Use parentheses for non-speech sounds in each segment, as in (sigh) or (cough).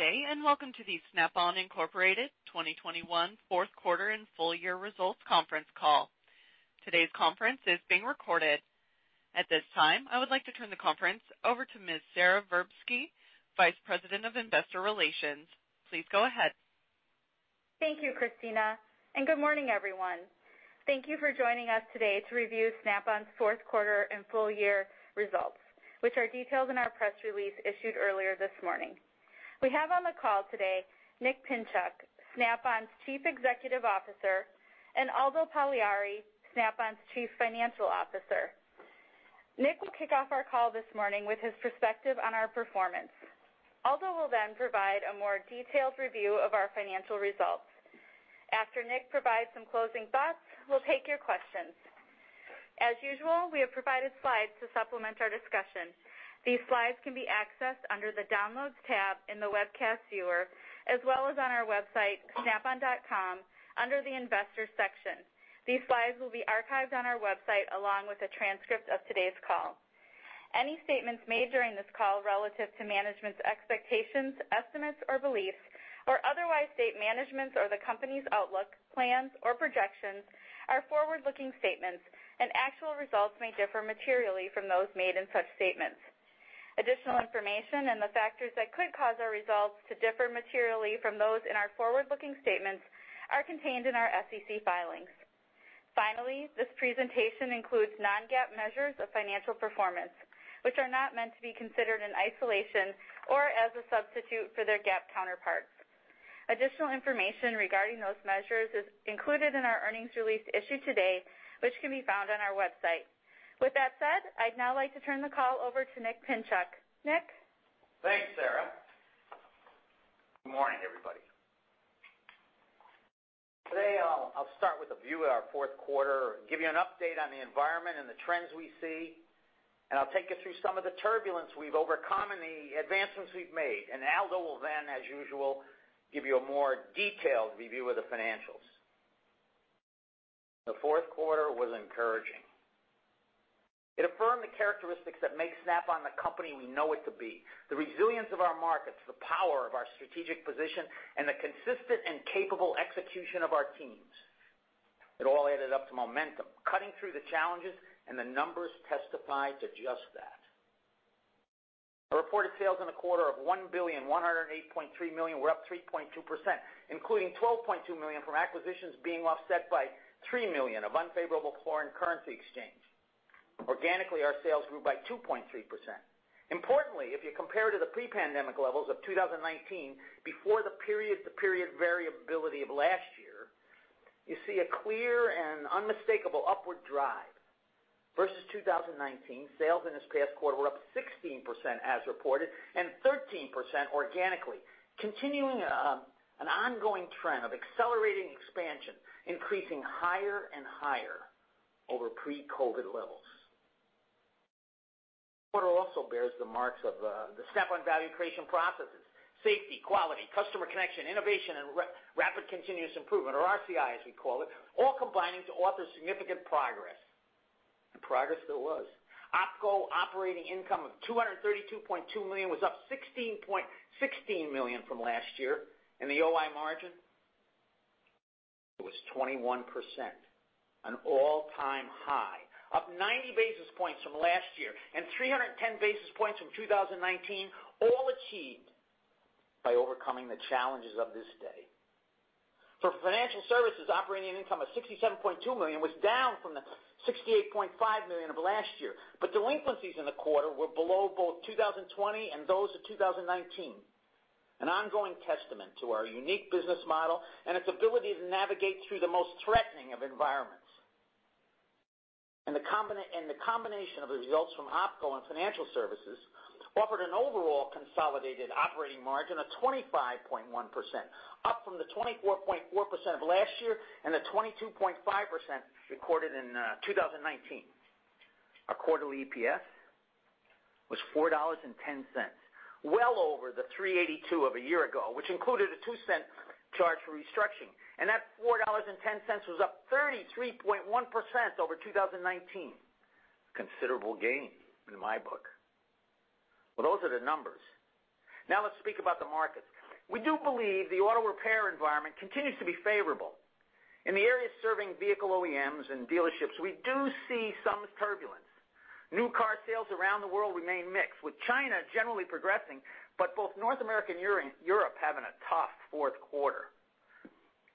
Good day, and welcome to the Snap-on Incorporated 2021 Fourth Quarter and Full Year Results Conference Call. Today's conference is being recorded. At this time, I would like to turn the conference over to Ms. Sara Verbsky, Vice President of Investor Relations. Please go ahead. Thank you, Christina, and good morning, everyone. Thank you for joining us today to review Snap-on's fourth quarter and full year results, which are detailed in our press release issued earlier this morning. We have on the call today Nick Pinchuk, Snap-on's Chief Executive Officer, and Aldo Pagliari, Snap-on's Chief Financial Officer. Nick will kick off our call this morning with his perspective on our performance. Aldo will then provide a more detailed review of our financial results. After Nick provides some closing thoughts, we'll take your questions. As usual, we have provided slides to supplement our discussion. These slides can be accessed under the downloads tab in the webcast viewer as well as on our website, snapon.com, under the Investors section. These slides will be archived on our website along with a transcript of today's call. Any statements made during this call relative to management's expectations, estimates, or beliefs or otherwise state management's or the company's outlook, plans, or projections are forward-looking statements, and actual results may differ materially from those made in such statements. Additional information and the factors that could cause our results to differ materially from those in our forward-looking statements are contained in our SEC filings. Finally, this presentation includes non-GAAP measures of financial performance, which are not meant to be considered in isolation or as a substitute for their GAAP counterparts. Additional information regarding those measures is included in our earnings release issued today, which can be found on our website. With that said, I'd now like to turn the call over to Nick Pinchuk. Nick? Thanks, Sara. Good morning, everybody. Today, I'll start with a view of our fourth quarter, give you an update on the environment and the trends we see, and I'll take you through some of the turbulence we've overcome and the advancements we've made. Aldo will then, as usual, give you a more detailed review of the financials. The fourth quarter was encouraging. It affirmed the characteristics that make Snap-on the company we know it to be. The resilience of our markets, the power of our strategic position, and the consistent and capable execution of our teams. It all added up to momentum, cutting through the challenges, and the numbers testified to just that. Our reported sales in the quarter of $1.108 billion were up 3.2%, including $12.2 million from acquisitions being offset by $3 million of unfavorable foreign currency exchange. Organically, our sales grew by 2.3%. Importantly, if you compare to the pre-pandemic levels of 2019 before the period-to-period variability of last year, you see a clear and unmistakable upward drive. Versus 2019, sales in this past quarter were up 16% as reported and 13% organically, continuing an ongoing trend of accelerating expansion, increasing higher and higher over pre-COVID levels. The quarter also bears the marks of the Snap-on value creation processes, safety, quality, customer connection, innovation, and rapid continuous improvement, or RCI, as we call it, all combining to author significant progress. Progress there was. OpCo operating income of $232.2 million was up $16 million from last year. The OI margin, it was 21%, an all-time high, up 90 basis points from last year and 310 basis points from 2019, all achieved by overcoming the challenges of these days. For Financial Services, operating income of $67.2 million was down from the $68.5 million of last year, but delinquencies in the quarter were below both 2020 and those of 2019, an ongoing testament to our unique business model and its ability to navigate through the most threatening of environments. The combination of the results from OpCo and Financial Services offered an overall consolidated operating margin of 25.1%, up from the 24.4% of last year and the 22.5% recorded in 2019. Our quarterly EPS was $4.10, well over the $3.82 of a year ago, which included a $0.02 charge for restructuring. That $4.10 was up 33.1% over 2019. Considerable gain, in my book. Well, those are the numbers. Now, let's speak about the markets. We do believe the auto repair environment continues to be favorable. In the areas serving vehicle OEMs and dealerships, we do see some turbulence. New car sales around the world remain mixed, with China generally progressing, but both North America and Europe having a tough fourth quarter.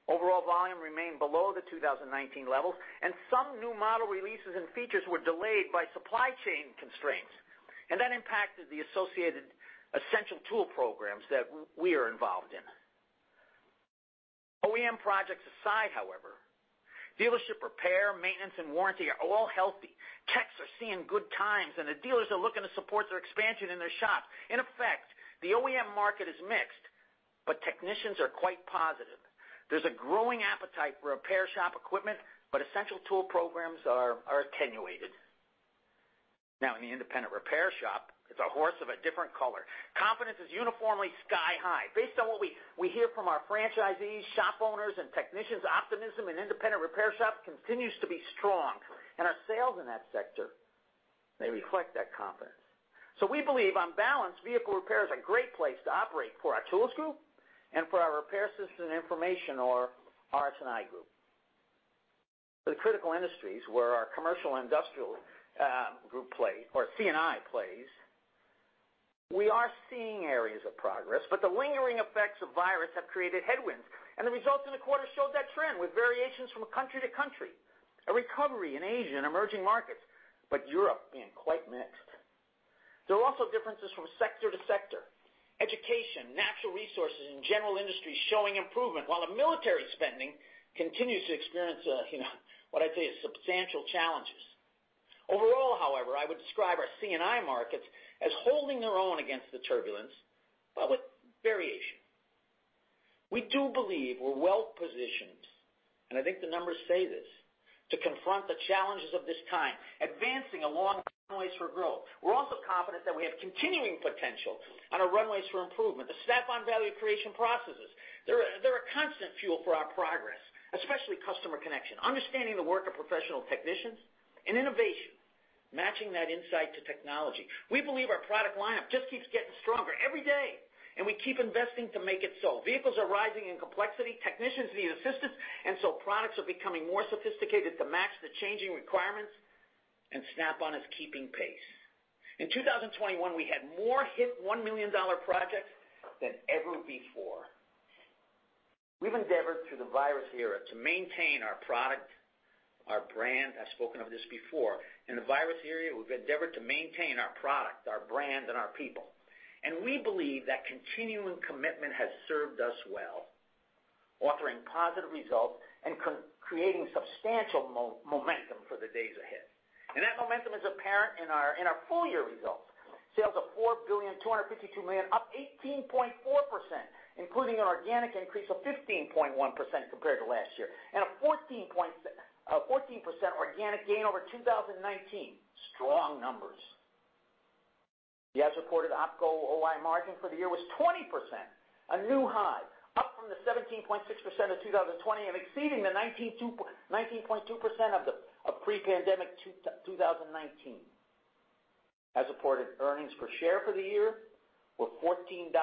Overall volume remained below the 2019 levels, and some new model releases and features were delayed by supply chain constraints, and that impacted the associated Essential Tool Programs that we are involved in. OEM projects aside, however, dealership repair, maintenance, and warranty are all healthy. Techs are seeing good times, and the dealers are looking to support their expansion in their shops. In effect, the OEM market is mixed, but technicians are quite positive. There's a growing appetite for repair shop equipment, but Essential Tool Programs are attenuated. Now, in the independent repair shop, it's a horse of a different color. Confidence is uniformly sky-high. Based on what we hear from our franchisees, shop owners, and technicians, optimism in independent repair shops continues to be strong, and our sales in that sector. They reflect that confidence. We believe on balance, vehicle repair is a great place to operate for our Tools Group and for our Repair Systems & Information or RS&I Group. The critical industries where our Commercial & Industrial Group plays, or C&I plays, we are seeing areas of progress, but the lingering effects of virus have created headwinds. The results in the quarter showed that trend with variations from country to country, a recovery in Asia and emerging markets, but Europe being quite mixed. There are also differences from sector to sector. Education, natural resources and general industries showing improvement, while the military spending continues to experience, you know, what I'd say is substantial challenges. Overall, however, I would describe our C&I markets as holding their own against the turbulence, but with variation. We do believe we're well-positioned, and I think the numbers say this, to confront the challenges of this time, advancing along runways for growth. We're also confident that we have continuing potential on our runways for improvement. The Snap-on value creation processes, they're a constant fuel for our progress, especially customer connection, understanding the work of professional technicians and innovation, matching that insight to technology. We believe our product lineup just keeps getting stronger every day, and we keep investing to make it so. Vehicles are rising in complexity. Technicians need assistance, and so products are becoming more sophisticated to match the changing requirements, and Snap-on is keeping pace. In 2021, we had more $1 million projects than ever before. We've endeavored through the virus era to maintain our product, our brand. I've spoken of this before. In the virus era, we've endeavored to maintain our product, our brand, and our people. We believe that continuing commitment has served us well, offering positive results and co-creating substantial momentum for the days ahead. That momentum is apparent in our full year results. Sales of $4.252 billion, up 18.4%, including an organic increase of 15.1% compared to last year, and a 14% organic gain over 2019. Strong numbers. The as-reported OpCo OI margin for the year was 20%, a new high, up from the 17.6% of 2020 and exceeding the 19.2% of pre-pandemic 2019. As-reported earnings per share for the year were $14.92,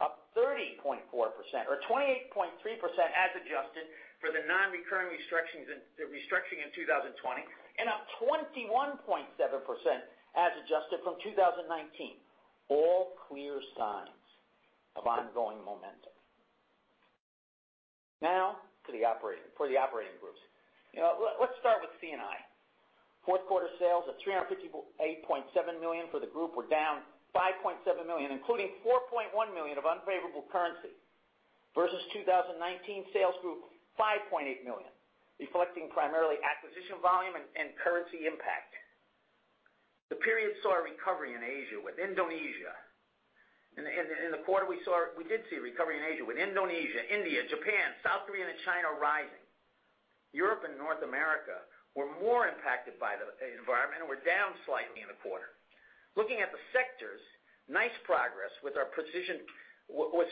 up 30.4% or 28.3% as adjusted for the non-recurring restructuring in 2020, and up 21.7% as adjusted from 2019. All clear signs of ongoing momentum. Now for the operating groups. You know, let's start with C&I. Fourth quarter sales of $358.7 million for the group were down $5.7 million, including $4.1 million of unfavorable currency. Versus 2019, sales grew $5.8 million, reflecting primarily acquisition volume and currency impact. In the quarter, we did see a recovery in Asia with Indonesia, India, Japan, South Korea and China rising. Europe and North America were more impacted by the environment and were down slightly in the quarter. Looking at the sectors, nice progress with our precision torque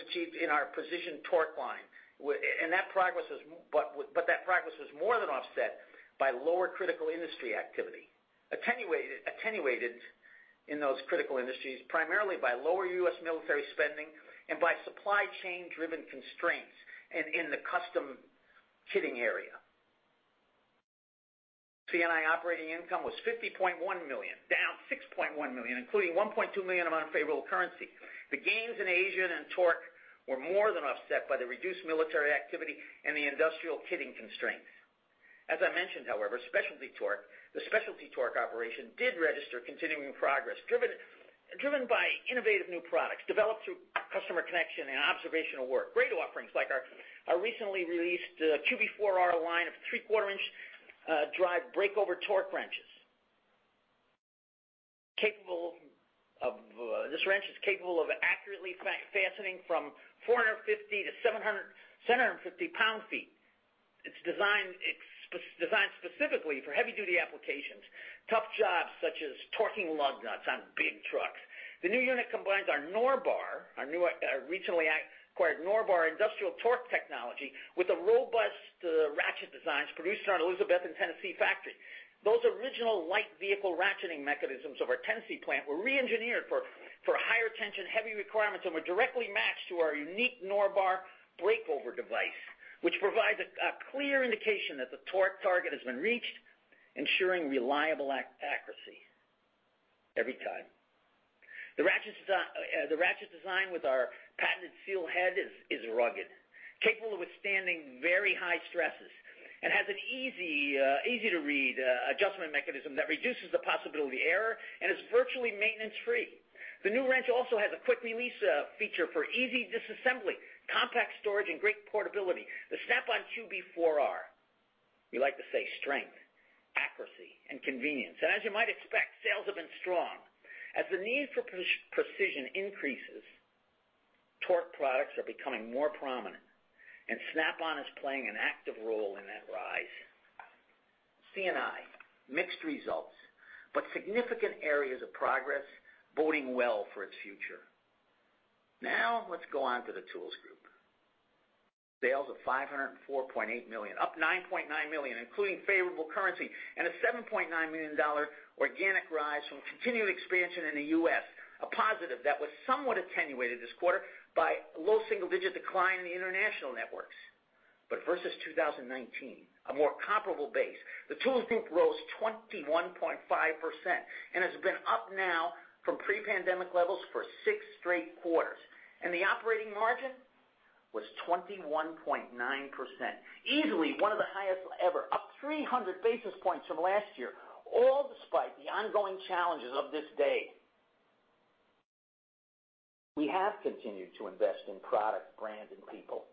line was achieved. That progress was more than offset by lower critical industry activity, attenuated in those critical industries, primarily by lower U.S. military spending and by supply chain-driven constraints in the custom kitting area. C&I operating income was $50.1 million, down $6.1 million, including $1.2 million of unfavorable currency. The gains in Asia and in torque were more than offset by the reduced military activity and the industrial kitting constraints. As I mentioned, however, specialty torque, the specialty torque operation did register continuing progress, driven by innovative new products developed through customer connection and observational work. Great offerings like our recently released QB4R line of 3/4-inch drive breakover torque wrenches. This wrench is capable of accurately fastening from 450 lb/ft to 750 lb/ft. It's specially designed specifically for heavy-duty applications, tough jobs such as torquing lug nuts on big trucks. The new unit combines our Norbar, new recently acquired Norbar industrial torque technology with the robust ratchet designs produced in our Elizabethton, Tennessee factory. Those original light vehicle ratcheting mechanisms of our Tennessee plant were re-engineered for higher tension, heavy requirements, and were directly matched to our unique Norbar breakover device, which provides a clear indication that the torque target has been reached, ensuring reliable accuracy every time. The ratchet design with our patented seal head is rugged, capable of withstanding very high stresses, and has an easy-to-read adjustment mechanism that reduces the possibility of error and is virtually maintenance-free. The new wrench also has a quick-release feature for easy disassembly, compact storage, and great portability. The Snap-on QB4R. We like to say strength, accuracy, and convenience. As you might expect, sales have been strong. As the need for precision increases, torque products are becoming more prominent, and Snap-on is playing an active role in that rise. C&I, mixed results, but significant areas of progress boding well for its future. Now let's go on to the Tools Group. Sales of $504.8 million, up $9.9 million, including favorable currency, and a $7.9 million organic rise from continued expansion in the U.S. A positive that was somewhat attenuated this quarter by low single-digit decline in the international networks. Versus 2019, a more comparable base, the Tools Group rose 21.5% and has been up now from pre-pandemic levels for six straight quarters. The operating margin was 21.9%, easily one of the highest ever, up 300 basis points from last year, all despite the ongoing challenges of these days. We have continued to invest in product, brand, and people,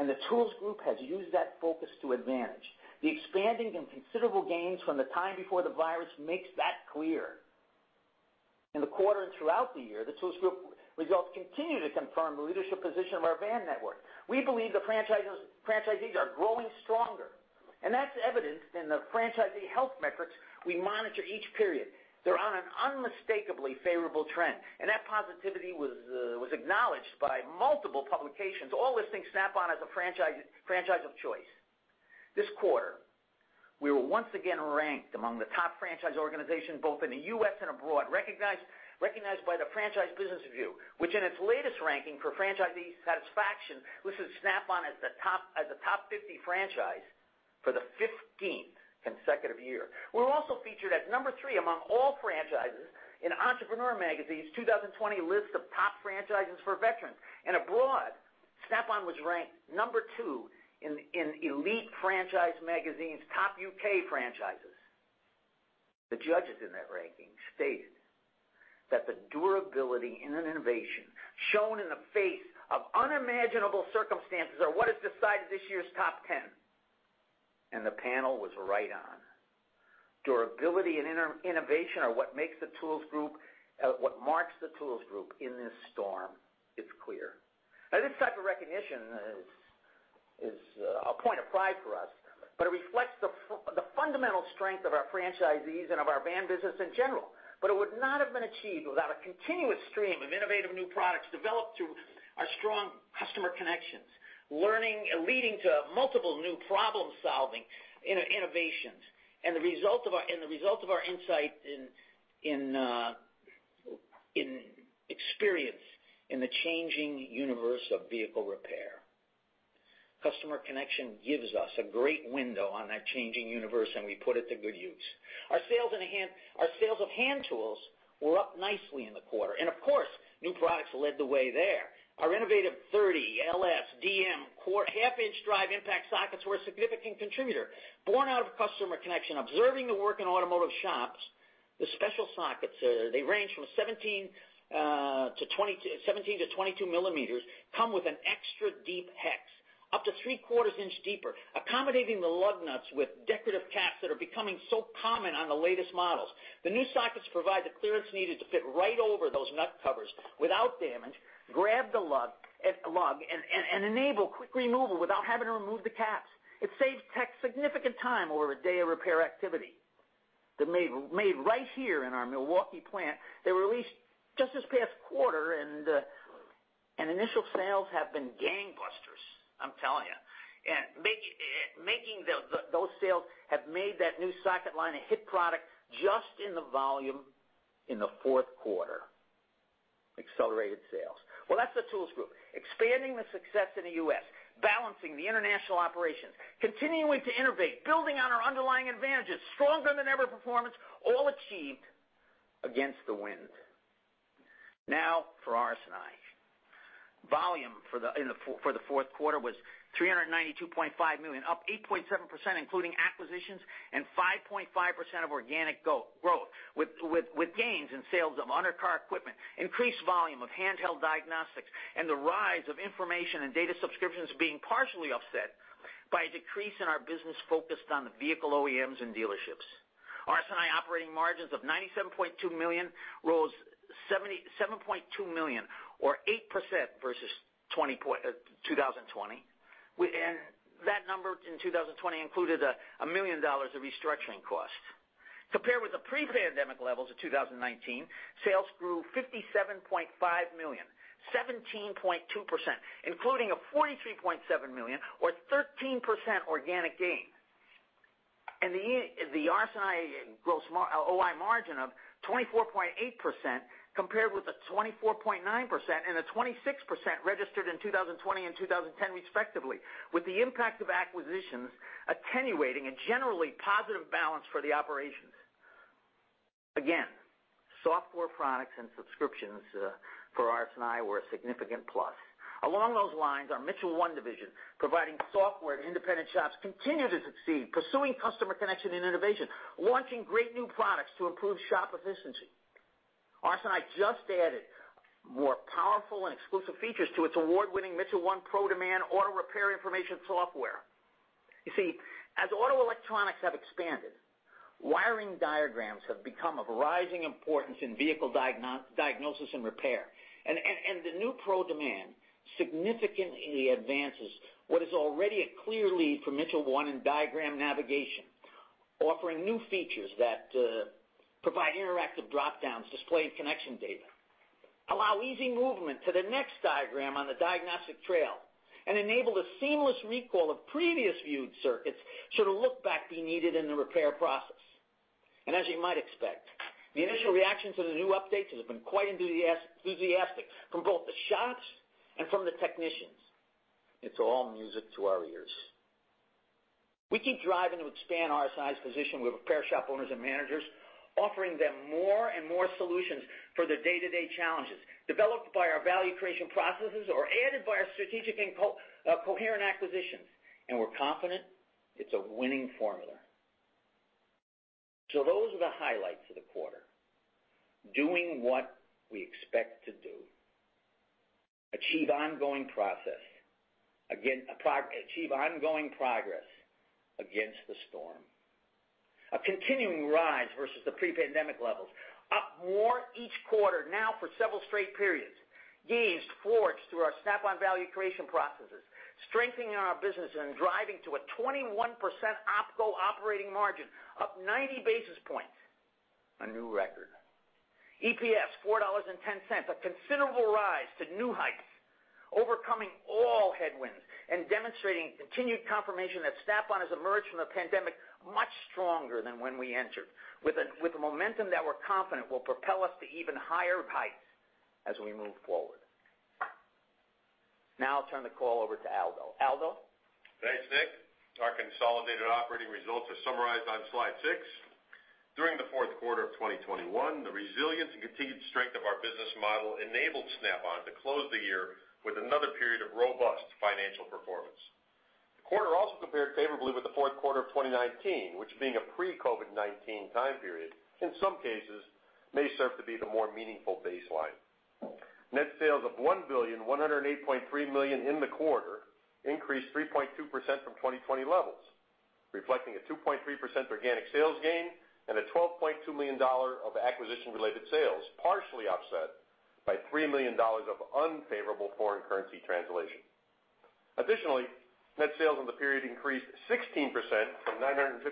and the Tools Group has used that focus to advantage. The expanding and considerable gains from the time before the virus makes that clear. In the quarter and throughout the year, the Tools Group results continue to confirm the leadership position of our van network. We believe the franchisees are growing stronger, and that's evident in the franchisee health metrics we monitor each period. They're on an unmistakably favorable trend, and that positivity was acknowledged by multiple publications, all listing Snap-on as a franchise of choice. This quarter, we were once again ranked among the top franchise organizations, both in the U.S. and abroad. Recognized by the Franchise Business Review, which in its latest ranking for franchisee satisfaction, listed Snap-on as a top 50 franchise for the fifteenth consecutive year. We're also featured as number three among all franchises in Entrepreneur Magazine's 2020 list of top franchises for veterans. Abroad, Snap-on was ranked number two in Elite Franchise Magazine's top U.K. franchises. The judges in that ranking stated that the durability and innovation shown in the face of unimaginable circumstances are what has decided this year's top 10, and the panel was right on. Durability and innovation are what makes the Tools Group what marks the Tools Group in this storm, it's clear. Now, this type of recognition is a point of pride for us, but it reflects the fundamental strength of our franchisees and of our van business in general. It would not have been achieved without a continuous stream of innovative new products developed through our strong customer connections, learning leading to multiple new problem-solving innovations. The result of our insight and experience in the changing universe of vehicle repair. Customer connection gives us a great window on that changing universe, and we put it to good use. Our sales of Hand Tools were up nicely in the quarter, and of course, new products led the way there. Our innovative 303LSDM half-inch drive impact sockets were a significant contributor. Born out of customer connection, observing the work in automotive shops, the special sockets they range from 17 mm-22 mm, come with an extra deep hex, up to three-quarters inch deeper, accommodating the lug nuts with decorative caps that are becoming so common on the latest models. The new sockets provide the clearance needed to fit right over those nut covers without damage, grab the lug, and enable quick removal without having to remove the caps. It saves techs significant time over a day of repair activity. They're made right here in our Milwaukee plant. They released just this past quarter, and initial sales have been gangbusters, I'm telling you. Making those sales have made that new socket line a hit product just in the volume in the fourth quarter. Accelerated sales. Well, that's the Tools Group, expanding the success in the U.S., balancing the international operations, continuing to innovate, building on our underlying advantages, stronger than ever performance, all achieved against the wind. Now for RS&I. Volume for the fourth quarter was $392.5 million, up 8.7%, including acquisitions, and 5.5% organic growth, with gains in sales of under-car equipment, increased volume of handheld diagnostics, and the rise of information and data subscriptions being partially offset by a decrease in our business focused on the vehicle OEMs and dealerships. RS&I operating income of $97.2 million rose $77.2 million or 8% versus 2020. That number in 2020 included $1 million of restructuring costs. Compared with the pre-pandemic levels of 2019, sales grew $57.5 million, 17.2%, including a $43.7 million or 13% organic gain. The RS&I OI margin of 24.8% compared with the 24.9% and the 26% registered in 2020 and 2010 respectively, with the impact of acquisitions attenuating a generally positive balance for the operations. Again, software products and subscriptions for RS&I were a significant plus. Along those lines, our Mitchell 1 division, providing software to independent shops, continue to succeed, pursuing customer connection and innovation, launching great new products to improve shop efficiency. RS&I just added more powerful and exclusive features to its award-winning Mitchell 1 ProDemand auto repair information software. You see, as auto electronics have expanded, wiring diagrams have become of rising importance in vehicle diagnosis and repair. The new ProDemand significantly advances what is already a clear lead for Mitchell 1 in diagram navigation, offering new features that provide interactive drop-downs, displaying connection data, allow easy movement to the next diagram on the diagnostic trail, and enable the seamless recall of previous viewed circuits should a look back be needed in the repair process. As you might expect, the initial reactions to the new updates have been quite enthusiastic from both the shops and from the technicians. It's all music to our ears. We keep driving to expand RSI's position with repair shop owners and managers, offering them more and more solutions for their day-to-day challenges, developed by our value creation processes or added by our strategic and coherent acquisitions. We're confident it's a winning formula. Those are the highlights for the quarter. Doing what we expect to do. Achieve ongoing progress against the storm. A continuing rise versus the pre-pandemic levels, up more each quarter now for several straight periods, gains forged through our Snap-on value creation processes, strengthening our business and driving to a 21% OpCo operating margin, up 90 basis points, a new record. EPS, $4.10, a considerable rise to new heights, overcoming all headwinds and demonstrating continued confirmation that Snap-on has emerged from the pandemic much stronger than when we entered, with a momentum that we're confident will propel us to even higher heights as we move forward. Now I'll turn the call over to Aldo. Aldo? Thanks, Nick. Our consolidated operating results are summarized on slide six. During the fourth quarter of 2021, the resilience and continued strength of our business model enabled Snap-on to close the year with another period of robust financial performance. The quarter also compared favorably with the fourth quarter of 2019, which being a pre-COVID-19 time period, in some cases may serve to be the more meaningful baseline. Net sales of $1,108.3 million in the quarter increased 3.2% from 2020 levels, reflecting a 2.3% organic sales gain and a $12.2 million of acquisition-related sales, partially offset by $3 million of unfavorable foreign currency translation. Additionally, net sales in the period increased 16% from $955.2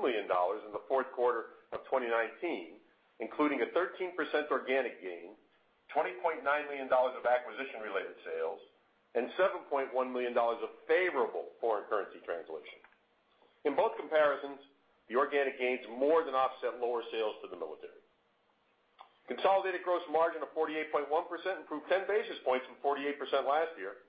million in the fourth quarter of 2019, including a 13% organic gain, $20.9 million of acquisition-related sales, and $7.1 million of favorable foreign currency translation. In both comparisons, the organic gains more than offset lower sales to the military. Consolidated gross margin of 48.1% improved 10 basis points from 48% last year.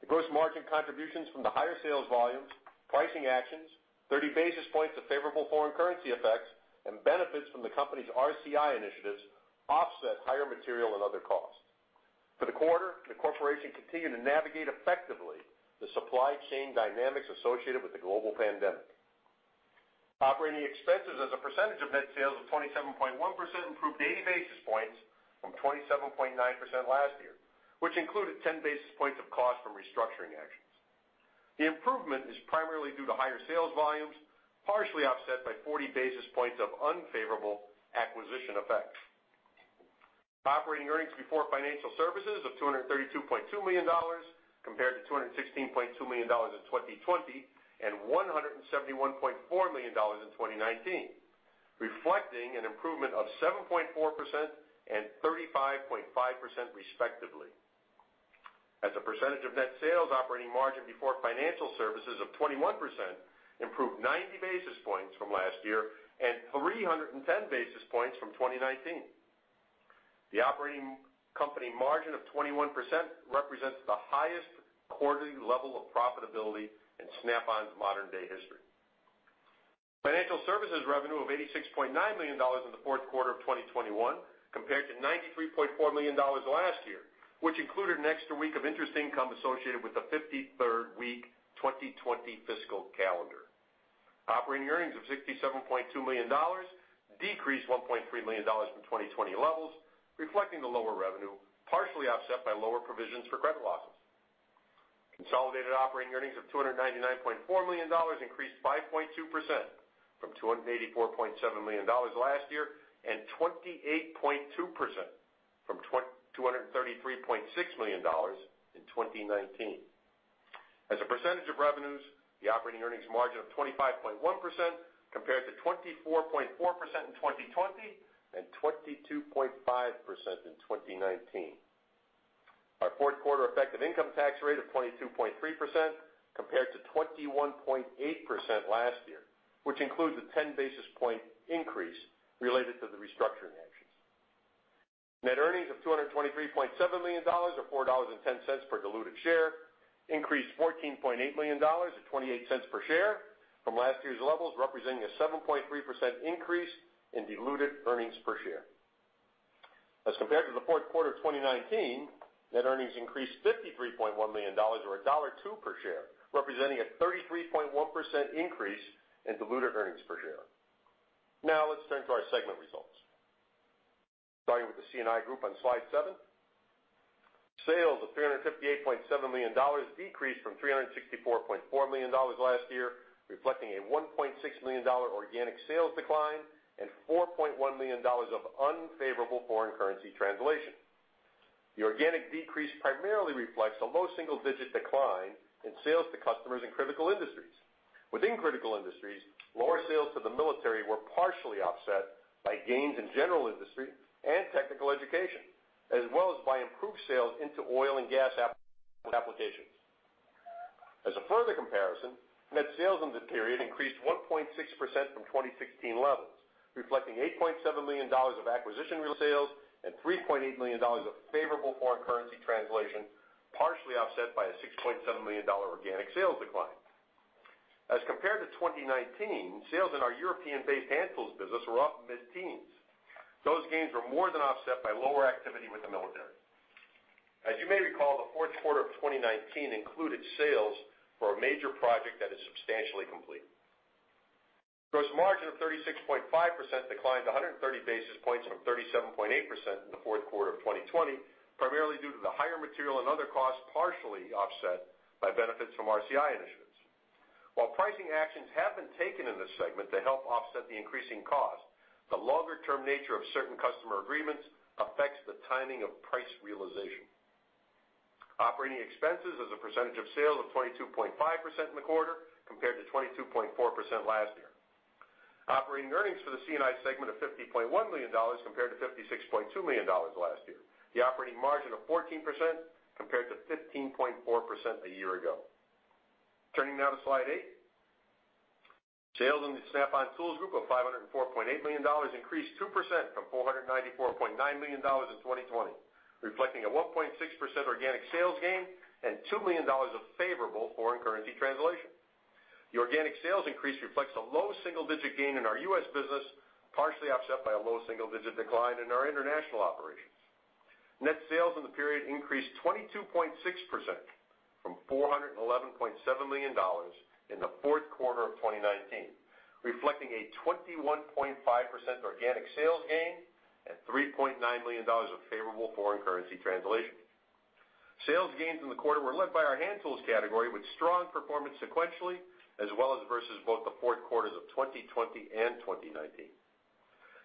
The gross margin contributions from the higher sales volumes, pricing actions, 30 basis points of favorable foreign currency effects, and benefits from the company's RCI initiatives offset higher material and other costs. For the quarter, the corporation continued to navigate effectively the supply chain dynamics associated with the global pandemic. Operating expenses as a percentage of net sales of 27.1% improved 80 basis points from 27.9% last year, which included 10 basis points of cost from restructuring actions. The improvement is primarily due to higher sales volumes, partially offset by 40 basis points of unfavorable acquisition effects. Operating earnings before Financial Services of $232.2 million compared to $216.2 million in 2020 and $171.4 million in 2019, reflecting an improvement of 7.4% and 35.5% respectively. As a percentage of net sales, operating margin before Financial Services of 21% improved 90 basis points from last year and 310 basis points from 2019. The OpCo margin of 21% represents the highest quarterly level of profitability in Snap-on's modern-day history. Financial Services revenue of $86.9 million in the fourth quarter of 2021 compared to $93.4 million last year, which included an extra week of interest income associated with the 53rd week 2020 fiscal calendar. Operating earnings of $67.2 million decreased $1.3 million from 2020 levels, reflecting the lower revenue, partially offset by lower provisions for credit losses. Consolidated operating earnings of $299.4 million increased 5.2% from $284.7 million last year and 28.2% from $233.6 million in 2019. As a percentage of revenues, the operating earnings margin of 25.1% compared to 24.4% in 2020 and 22.5% in 2019. Our fourth quarter effective income tax rate of 22.3% compared to 21.8% last year, which includes a 10 basis points increase related to the restructuring actions. Net earnings of $223.7 million, or $4.10 per diluted share, increased $14.8 million, or $0.28 per share, from last year's levels, representing a 7.3% increase in diluted earnings per share. As compared to the fourth quarter of 2019, net earnings increased $53.1 million, or $1.02 per share, representing a 33.1% increase in diluted earnings per share. Now let's turn to our segment results. Starting with the C&I Group on slide seven. Sales of $358.7 million decreased from $364.4 million last year, reflecting a $1.6 million organic sales decline and $4.1 million of unfavorable foreign currency translation. The organic decrease primarily reflects a low single-digit decline in sales to customers in critical industries. Within critical industries, lower sales to the military were partially offset by gains in general industry and technical education, as well as by improved sales into oil and gas applications. As a further comparison, net sales in the period increased 1.6% from 2016 levels, reflecting $87 million of acquisition-related sales and $3.8 million of favorable foreign currency translation, partially offset by a $6.7 million organic sales decline. As compared to 2019, sales in our European-based Hand Tools business were up mid-teens. Those gains were more than offset by lower activity with the military. As you may recall, the fourth quarter of 2019 included sales for a major project that is substantially complete. Gross margin of 36.5% declined 130 basis points from 37.8% in the fourth quarter of 2020, primarily due to the higher material and other costs, partially offset by benefits from RCI initiatives. While pricing actions have been taken in this segment to help offset the increasing cost, the longer-term nature of certain customer agreements affects the timing of price realization. Operating expenses as a percentage of sales of 22.5% in the quarter, compared to 22.4% last year. Operating earnings for the C&I segment of $50.1 million compared to $56.2 million last year. The operating margin of 14% compared to 15.4% a year ago. Turning now to slide eight. Sales in the Snap-on Tools Group of $504.8 million increased 2% from $494.9 million in 2020, reflecting a 1.6% organic sales gain and $2 million of favorable foreign currency translation. The organic sales increase reflects a low single-digit gain in our U.S. business, partially offset by a low single-digit decline in our international operations. Net sales in the period increased 22.6% from $411.7 million in the fourth quarter of 2019, reflecting a 21.5% organic sales gain and $3.9 million of favorable foreign currency translation. Sales gains in the quarter were led by our Hand Tools category, with strong performance sequentially as well as versus both the fourth quarters of 2020 and 2019.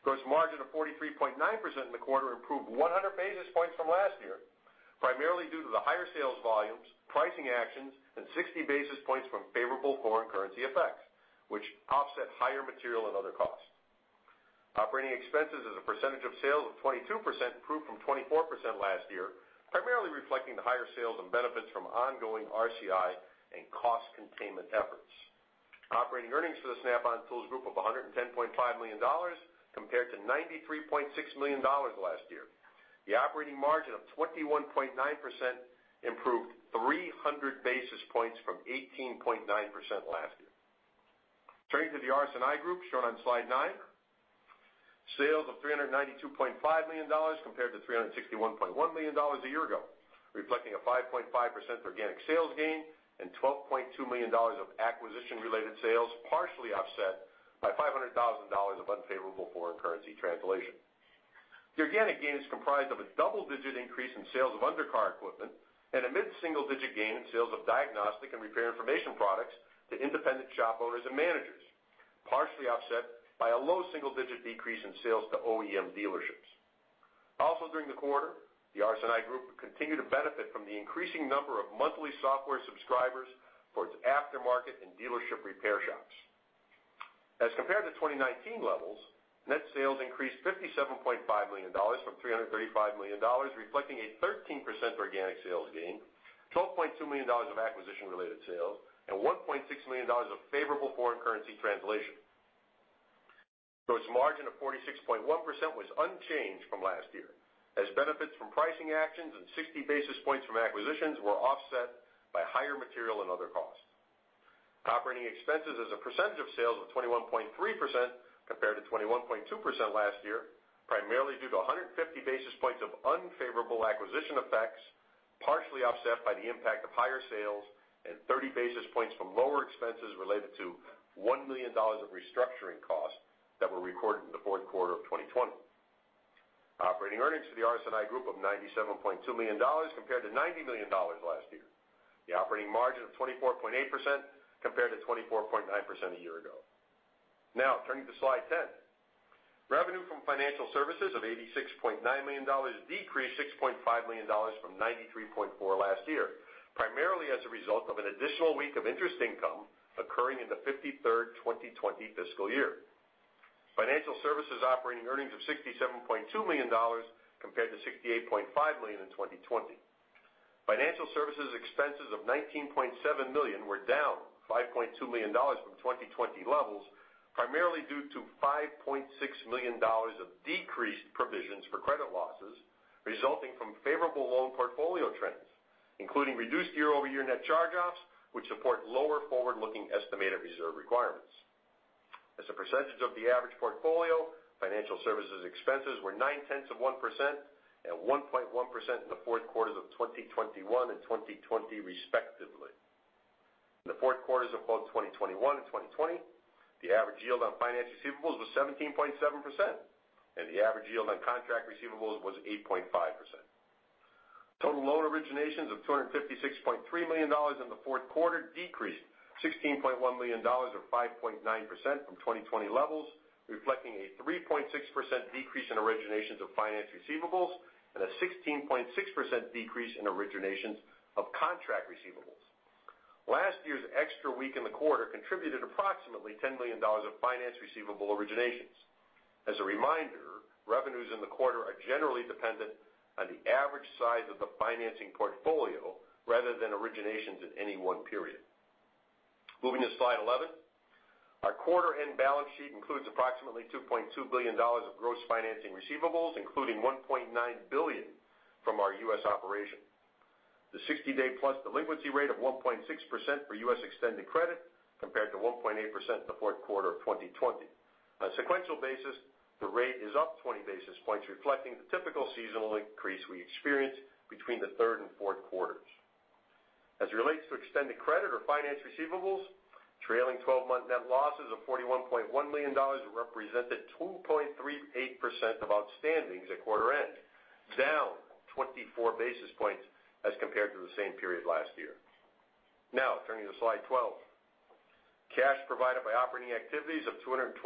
Gross margin of 43.9% in the quarter improved 100 basis points from last year, primarily due to the higher sales volumes, pricing actions, and 60 basis points from favorable foreign currency effects, which offset higher material and other costs. Operating expenses as a percentage of sales of 22% improved from 24% last year, primarily reflecting the higher sales and benefits from ongoing RCI and cost containment efforts. Operating earnings for the Snap-on Tools Group of $110.5 million compared to $93.6 million last year. The operating margin of 21.9% improved 300 basis points from 18.9% last year. Turning to the RS&I Group shown on slide nine. Sales of $392.5 million compared to $361.1 million a year ago, reflecting a 5.5% organic sales gain and $12.2 million of acquisition-related sales, partially offset by $500,000 of unfavorable foreign currency translation. The organic gain is comprised of a double-digit increase in sales of undercar equipment and a mid-single-digit gain in sales of diagnostic and repair information products to independent shop owners and managers, partially offset by a low single-digit decrease in sales to OEM dealerships. Also during the quarter, the RS&I Group continued to benefit from the increasing number of monthly software subscribers for its aftermarket and dealership repair shops. As compared to 2019 levels, net sales increased $57.5 million from $335 million, reflecting a 13% organic sales gain, $12.2 million of acquisition-related sales, and $1.6 million of favorable foreign currency translation. Gross margin of 46.1% was unchanged from last year as benefits from pricing actions and 60 basis points from acquisitions were offset by higher material and other costs. Operating expenses as a percentage of sales of 21.3% compared to 21.2% last year, primarily due to 150 basis points of unfavorable acquisition effects, partially offset by the impact of higher sales and 30 basis points from lower expenses related to $1 million of restructuring costs that were recorded in the fourth quarter of 2020. Operating earnings for the RS&I Group of $97.2 million compared to $90 million last year. The operating margin of 24.8% compared to 24.9% a year ago. Now, turning to slide 10. Revenue from Financial Services of $86.9 million decreased $6.5 million from $93.4 last year, primarily as a result of an additional week of interest income occurring in the 53rd 2020 fiscal year. Financial Services operating earnings of $67.2 million compared to $68.5 million in 2020. Financial Services expenses of $19.7 million were down $5.2 million from 2020 levels, primarily due to $5.6 million of decreased provisions for credit losses resulting from favorable loan portfolio trends, including reduced year-over-year net charge-offs, which support lower forward-looking estimated reserve requirements. As a percentage of the average portfolio, Financial Services expenses were 0.9% and 1.1% in the fourth quarters of 2021 and 2020 respectively. In the fourth quarters of both 2021 and 2020, the average yield on finance receivables was 17.7%, and the average yield on contract receivables was 8.5%. Total loan originations of $256.3 million in the fourth quarter decreased $16.1 million or 5.9% from 2020 levels, reflecting a 3.6% decrease in originations of finance receivables and a 16.6% decrease in originations of contract receivables. Last year's extra week in the quarter contributed approximately $10 million of finance receivable originations. As a reminder, revenues in the quarter are generally dependent on the average size of the financing portfolio rather than originations at any one period. Moving to slide 11. Our quarter-end balance sheet includes approximately $2.2 billion of gross financing receivables, including $1.9 billion from our U.S. operation. The 60-day-plus delinquency rate of 1.6% for U.S. extended credit compared to 1.8% in the fourth quarter of 2020. On a sequential basis, the rate is up 20 basis points, reflecting the typical seasonal increase we experience between the third and fourth quarters. As it relates to extended credit or finance receivables, trailing twelve-month net losses of $41.1 million represented 2.38% of outstandings at quarter end, down 24 basis points as compared to the same period last year. Now turning to slide 12. Cash provided by operating activities of $222.7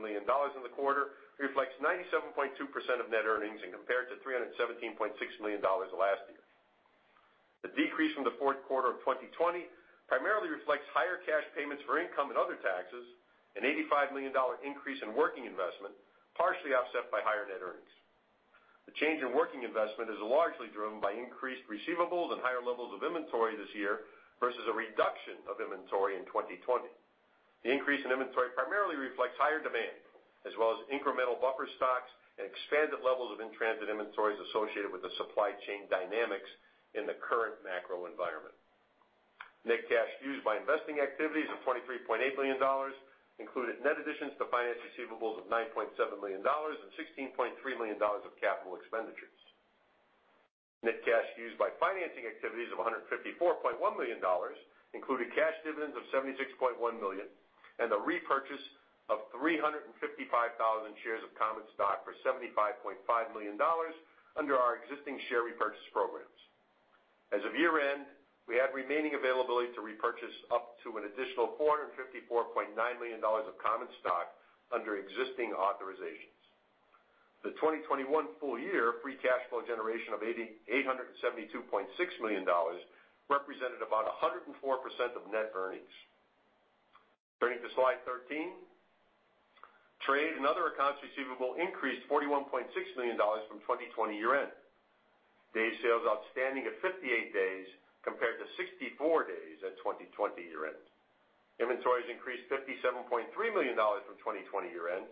million in the quarter reflects 97.2% of net earnings and compared to $317.6 million last year. The decrease from the fourth quarter of 2020 primarily reflects higher cash payments for income and other taxes, an $85 million increase in working investment, partially offset by higher net earnings. The change in working investment is largely driven by increased receivables and higher levels of inventory this year versus a reduction of inventory in 2020. The increase in inventory primarily reflects higher demand as well as incremental buffer stocks and expanded levels of in-transit inventories associated with the supply chain dynamics in the current macro environment. Net cash used by investing activities of $23.8 million included net additions to finance receivables of $9.7 million and $16.3 million of capital expenditures. Net cash used by financing activities of $154.1 million included cash dividends of $76.1 million and the repurchase of 355,000 shares of common stock for $75.5 million under our existing share repurchase programs. As of year-end, we had remaining availability to repurchase up to an additional $454.9 million of common stock under existing authorizations. The 2021 full year free cash flow generation of $872.6 million represented about 104% of net earnings. Turning to slide 13. Trade and other accounts receivable increased $41.6 million from 2020 year-end. Day sales outstanding at 58 days compared to 64 days at 2020 year-end. Inventories increased $57.3 million from 2020 year-end.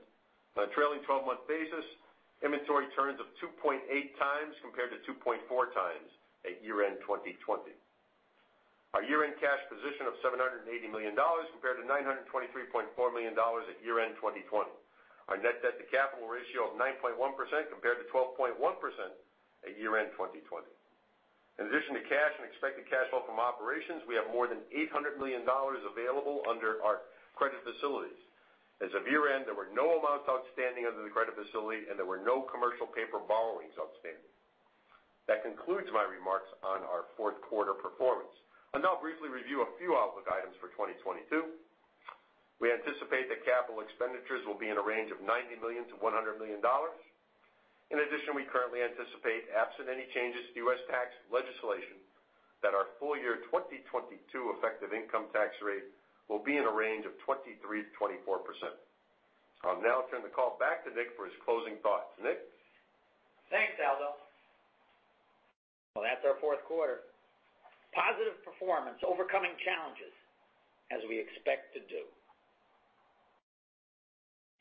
On a trailing 12-month basis, inventory turns of 2.8x compared to 2.4x at year-end 2020. Our year-end cash position of $780 million compared to $923.4 million at year-end 2020. Our net debt to capital ratio of 9.1% compared to 12.1% at year-end 2020. In addition to cash and expected cash flow from operations, we have more than $800 million available under our credit facilities. As of year-end, there were no amounts outstanding under the credit facility, and there were no commercial paper borrowings outstanding. That concludes my remarks on our fourth quarter performance. I'll now briefly review a few outlook items for 2022. We anticipate that capital expenditures will be in a range of $90 million-$100 million. In addition, we currently anticipate, absent any changes to U.S. tax legislation, that our full year 2022 effective income tax rate will be in a range of 23%-24%. I'll now turn the call back to Nick for his closing thoughts. Nick? Thanks, Aldo. Well, that's our fourth quarter. Positive performance, overcoming challenges, as we expect to do.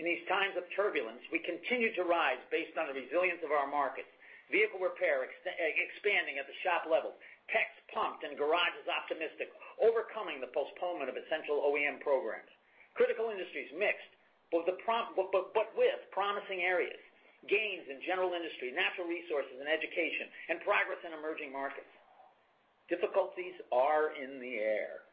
In these times of turbulence, we continue to rise based on the resilience of our markets. Vehicle repair expanding at the shop level. Techs pumped and garages are optimistic, overcoming the postponement of essential OEM programs. Critical industries mixed, but with promising areas. Gains in general industry, natural resources, and education, and progress in emerging markets. Difficulties are in the air,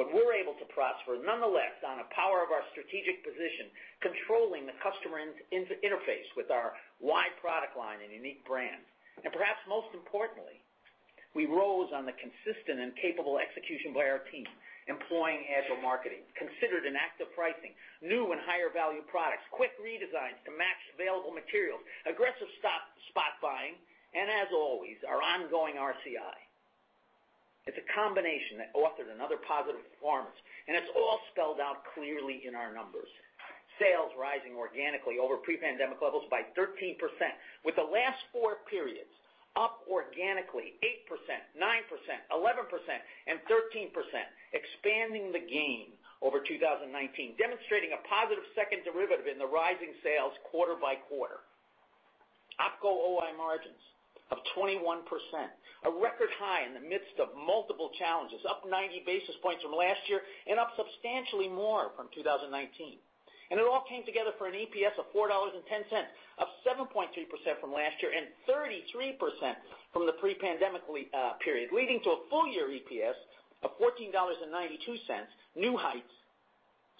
but we're able to prosper nonetheless on the power of our strategic position, controlling the customer interface with our wide product line and unique brand. Perhaps most importantly, we rose on the consistent and capable execution by our team, employing agile marketing, considered and active pricing, new and higher value products, quick redesigns to match available materials, aggressive spot buying, and as always, our ongoing RCI. It's a combination that authored another positive performance, and it's all spelled out clearly in our numbers. Sales rising organically over pre-pandemic levels by 13%, with the last four periods up organically 8%, 9%, 11%, and 13%, expanding the gain over 2019, demonstrating a positive second derivative in the rising sales quarter by quarter. OpCo OI margins of 21%, a record high in the midst of multiple challenges, up 90 basis points from last year and up substantially more from 2019. It all came together for an EPS of $4.10, up 7.2% from last year and 33% from the pre-pandemically period, leading to a full year EPS of $14.92. New heights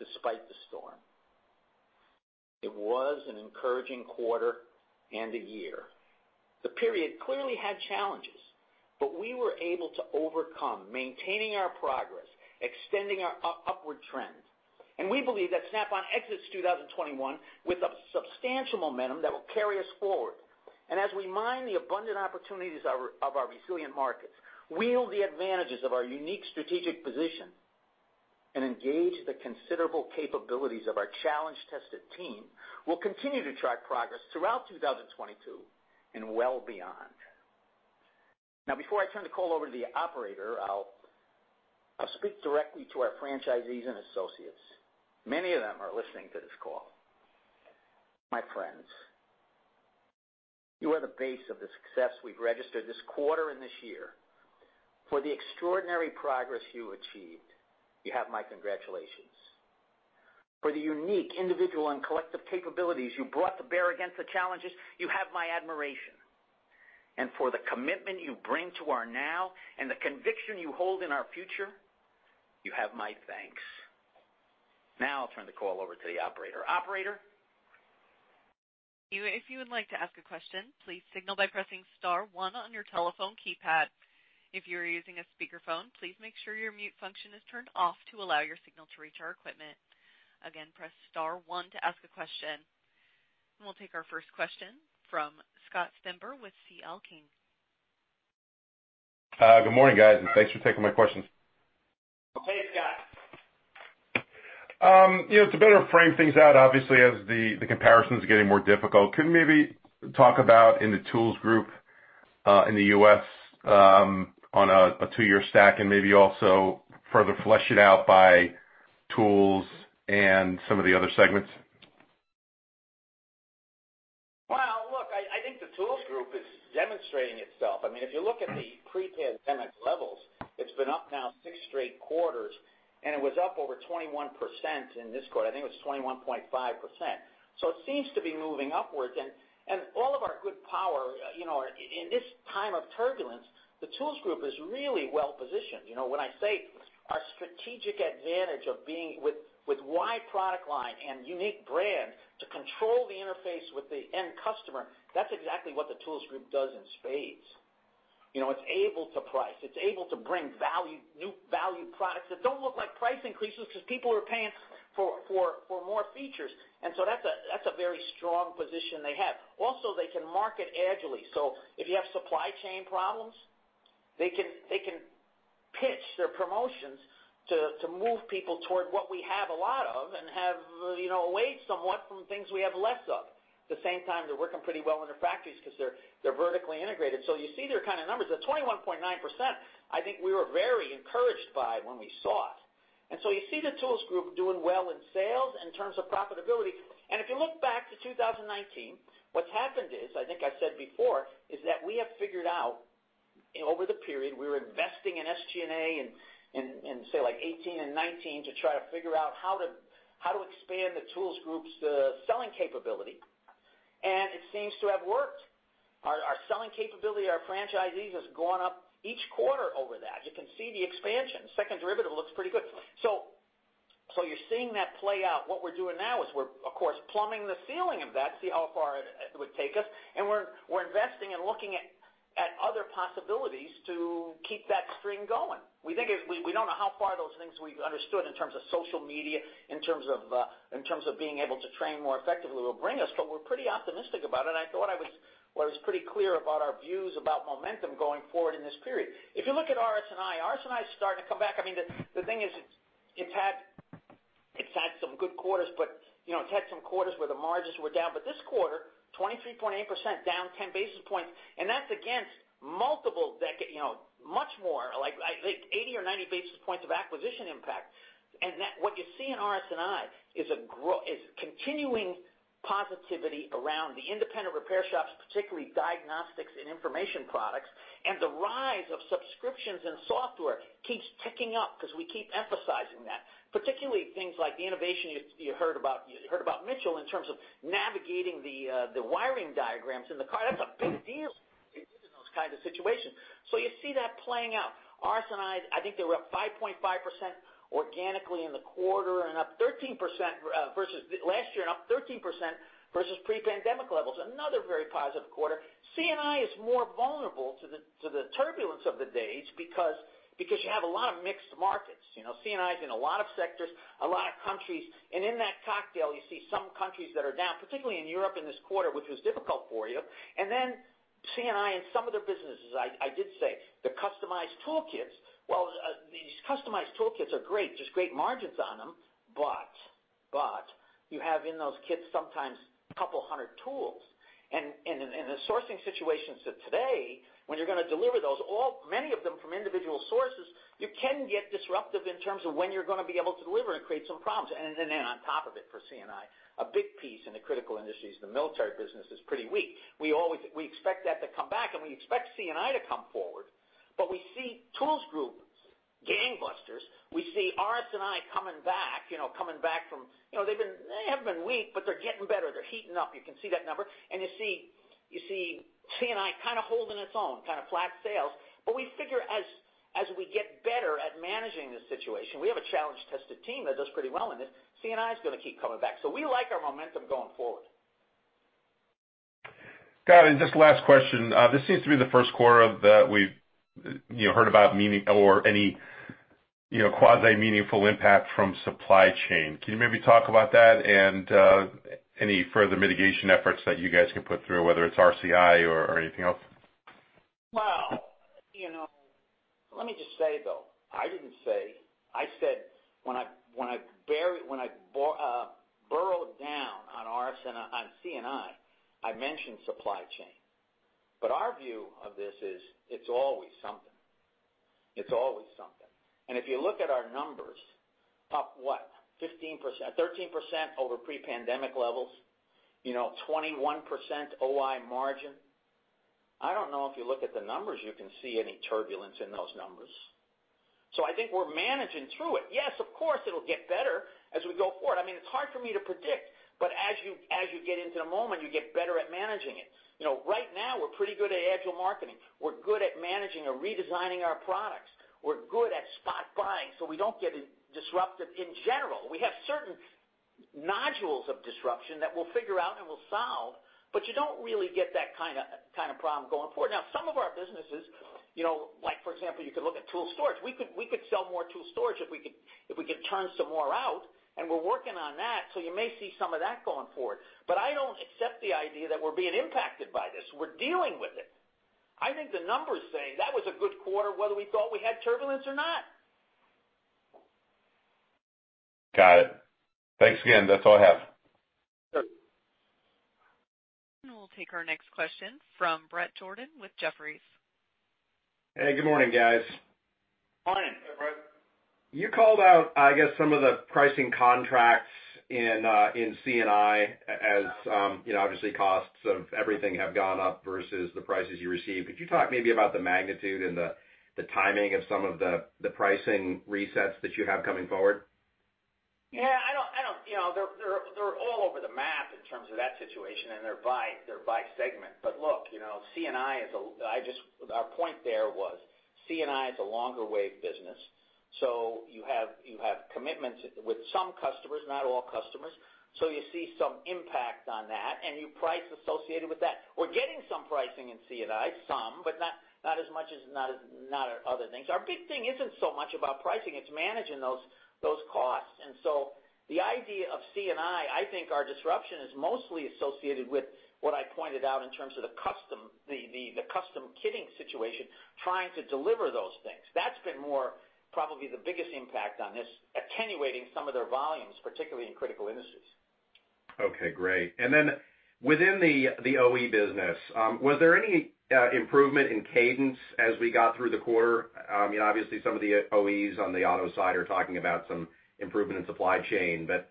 despite the storm. It was an encouraging quarter and a year. The period clearly had challenges, but we were able to overcome, maintaining our profitability, extending our upward trend. We believe that Snap-on exits 2021 with a substantial momentum that will carry us forward. As we mine the abundant opportunities of our resilient markets, wield the advantages of our unique strategic position, and engage the considerable capabilities of our challenge-tested team, we'll continue to track progress throughout 2022 and well beyond. Now, before I turn the call over to the operator, I'll speak directly to our franchisees and associates. Many of them are listening to this call. My friends, you are the base of the success we've registered this quarter and this year. For the extraordinary progress you achieved, you have my congratulations. For the unique individual and collective capabilities you brought to bear against the challenges, you have my admiration. For the commitment you bring to our now and the conviction you hold in our future, you have my thanks. Now I'll turn the call over to the operator. Operator? If you would like to ask a question, please signal by pressing star one on your telephone keypad. If you're using a speakerphone, please make sure your mute function is turned off to allow your signal to reach our equipment. Again, press star one to ask a question. We'll take our first question from Scott Stember with C.L. King. Good morning, guys, and thanks for taking my questions. Hey, Scott. You know, to better frame things out, obviously, as the comparison's getting more difficult, could you maybe talk about in the Tools Group, in the U.S., on a two-year stack and maybe also further flesh it out by Tools and some of the other segments? Well, look, I think the Tools Group is demonstrating itself. I mean, if you look at the pre-pandemic levels, it's been up now six straight quarters, and it was up over 21% in this quarter. I think it was 21.5%. It seems to be moving upwards. All of our good power, you know, in this time of turbulence, the Tools Group is really well positioned. You know, when I say our strategic advantage of being with wide product line and unique brand to control the interface with the end customer, that's exactly what the Tools Group does in spades. You know, it's able to price. It's able to bring value, new value products that don't look like price increases because people are paying for more features. That's a very strong position they have. They can market agilely. If you have supply chain problems, they can pitch their promotions to move people toward what we have a lot of and have, you know, away somewhat from things we have less of. At the same time, they're working pretty well in their factories 'cause they're vertically integrated. You see their kinda numbers. The 21.9%, I think we were very encouraged by when we saw it. You see the Tools Group doing well in sales in terms of profitability. If you look back to 2019, what's happened is, I think I said before, is that we have figured out over the period we were investing in SG&A in, say, like 2018 and 2019 to try to figure out how to expand the Tools Group's selling capability. It seems to have worked. Our selling capability at our franchisees has gone up each quarter over that. You can see the expansion. Second derivative looks pretty good. So you're seeing that play out. What we're doing now is we're, of course, plumbing the ceiling of that, see how far it would take us. We're investing and looking at other possibilities to keep that string going. We think we don't know how far those things we've understood in terms of social media, in terms of, in terms of being able to train more effectively will bring us, but we're pretty optimistic about it. I thought I was pretty clear about our views about momentum going forward in this period. If you look at RS&I, RS&I is starting to come back. I mean, the thing is, it's had some good quarters, but you know, it's had some quarters where the margins were down. This quarter, 23.8% down 10 basis points, and that's against, you know, much more, like, I think 80 basis points or 90 basis points of acquisition impact. What you see in RS&I is continuing positivity around the independent repair shops, particularly diagnostics and information products, and the rise of subscriptions and software keeps ticking up 'cause we keep emphasizing that, particularly things like the innovation you heard about, you heard about Mitchell in terms of navigating the wiring diagrams in the car. That's a big deal in those kinds of situations. You see that playing out. RS&I think they were up 5.5% organically in the quarter and up 13% versus last year and up 13% versus pre-pandemic levels. Another very positive quarter. C&I is more vulnerable to the turbulence of the days because you have a lot of mixed markets. You know, C&I is in a lot of sectors, a lot of countries, and in that cocktail, you see some countries that are down, particularly in Europe in this quarter, which was difficult for you. C&I, in some of their businesses, I did say the customized toolkits. Well, these customized toolkits are great. Just great margins on them. You have in those kits sometimes a couple hundred tools. In the sourcing situations of today, when you're gonna deliver those, many of them from individual sources, you can get disruptive in terms of when you're gonna be able to deliver and create some problems. Then on top of it for C&I, a big piece in the critical industry is the military business is pretty weak. We expect that to come back, and we expect C&I to come forward. We see Tools Group gangbusters. We see RS&I coming back, you know, coming back from. You know, they haven't been weak, but they're getting better. They're heating up. You can see that number. You see C&I kind of holding its own, kind of flat sales. We figure as we get better at managing the situation, we have a challenge-tested team that does pretty well in this. C&I is gonna keep coming back. We like our momentum going forward. Got it. Just last question. This seems to be the first quarter that we've, you know, heard about any, you know, quasi-meaningful impact from supply chain. Can you maybe talk about that and any further mitigation efforts that you guys can put through, whether it's RCI or anything else? Well, you know, let me just say, though, I didn't say I said when I burrowed down on RS and on C&I mentioned supply chain. But our view of this is it's always something. It's always something. If you look at our numbers, up 13% over pre-pandemic levels, you know, 21% OI margin. I don't know if you look at the numbers, you can see any turbulence in those numbers. So I think we're managing through it. Yes, of course, it'll get better as we go forward. I mean, it's hard for me to predict, but as you get into the moment, you get better at managing it. You know, right now we're pretty good at agile marketing. We're good at managing or redesigning our products. We're good at spot buying, so we don't get disrupted in general. We have certain nodes of disruption that we'll figure out and we'll solve, but you don't really get that kinda problem going forward. Now, some of our businesses, you know, like for example, you could look at tool storage. We could sell more tool storage if we could turn some more out, and we're working on that, so you may see some of that going forward. But I don't accept the idea that we're being impacted by this. We're dealing with it. I think the numbers say that was a good quarter, whether we thought we had turbulence or not. Got it. Thanks again. That's all I have. Sure. We'll take our next question from Bret Jordan with Jefferies. Hey, good morning, guys. Morning. Hey, Bret. You called out, I guess, some of the pricing contracts in C&I as you know, obviously costs of everything have gone up versus the prices you receive. Could you talk maybe about the magnitude and the timing of some of the pricing resets that you have coming forward? Yeah, I don't. You know, they're all over the map in terms of that situation and they're by segment. But look, you know, our point there was C&I is a longer wave business, so you have commitments with some customers, not all customers, so you see some impact on that and pricing associated with that. We're getting some pricing in C&I, some, but not as much as other things. Our big thing isn't so much about pricing, it's managing those costs. The idea of C&I think our disruption is mostly associated with what I pointed out in terms of the custom kitting situation, trying to deliver those things. That's been more probably the biggest impact on this, attenuating some of their volumes, particularly in critical industries. Okay, great. Within the OpEx business, was there any improvement in cadence as we got through the quarter? You know, obviously some of the OEMs on the auto side are talking about some improvement in supply chain, but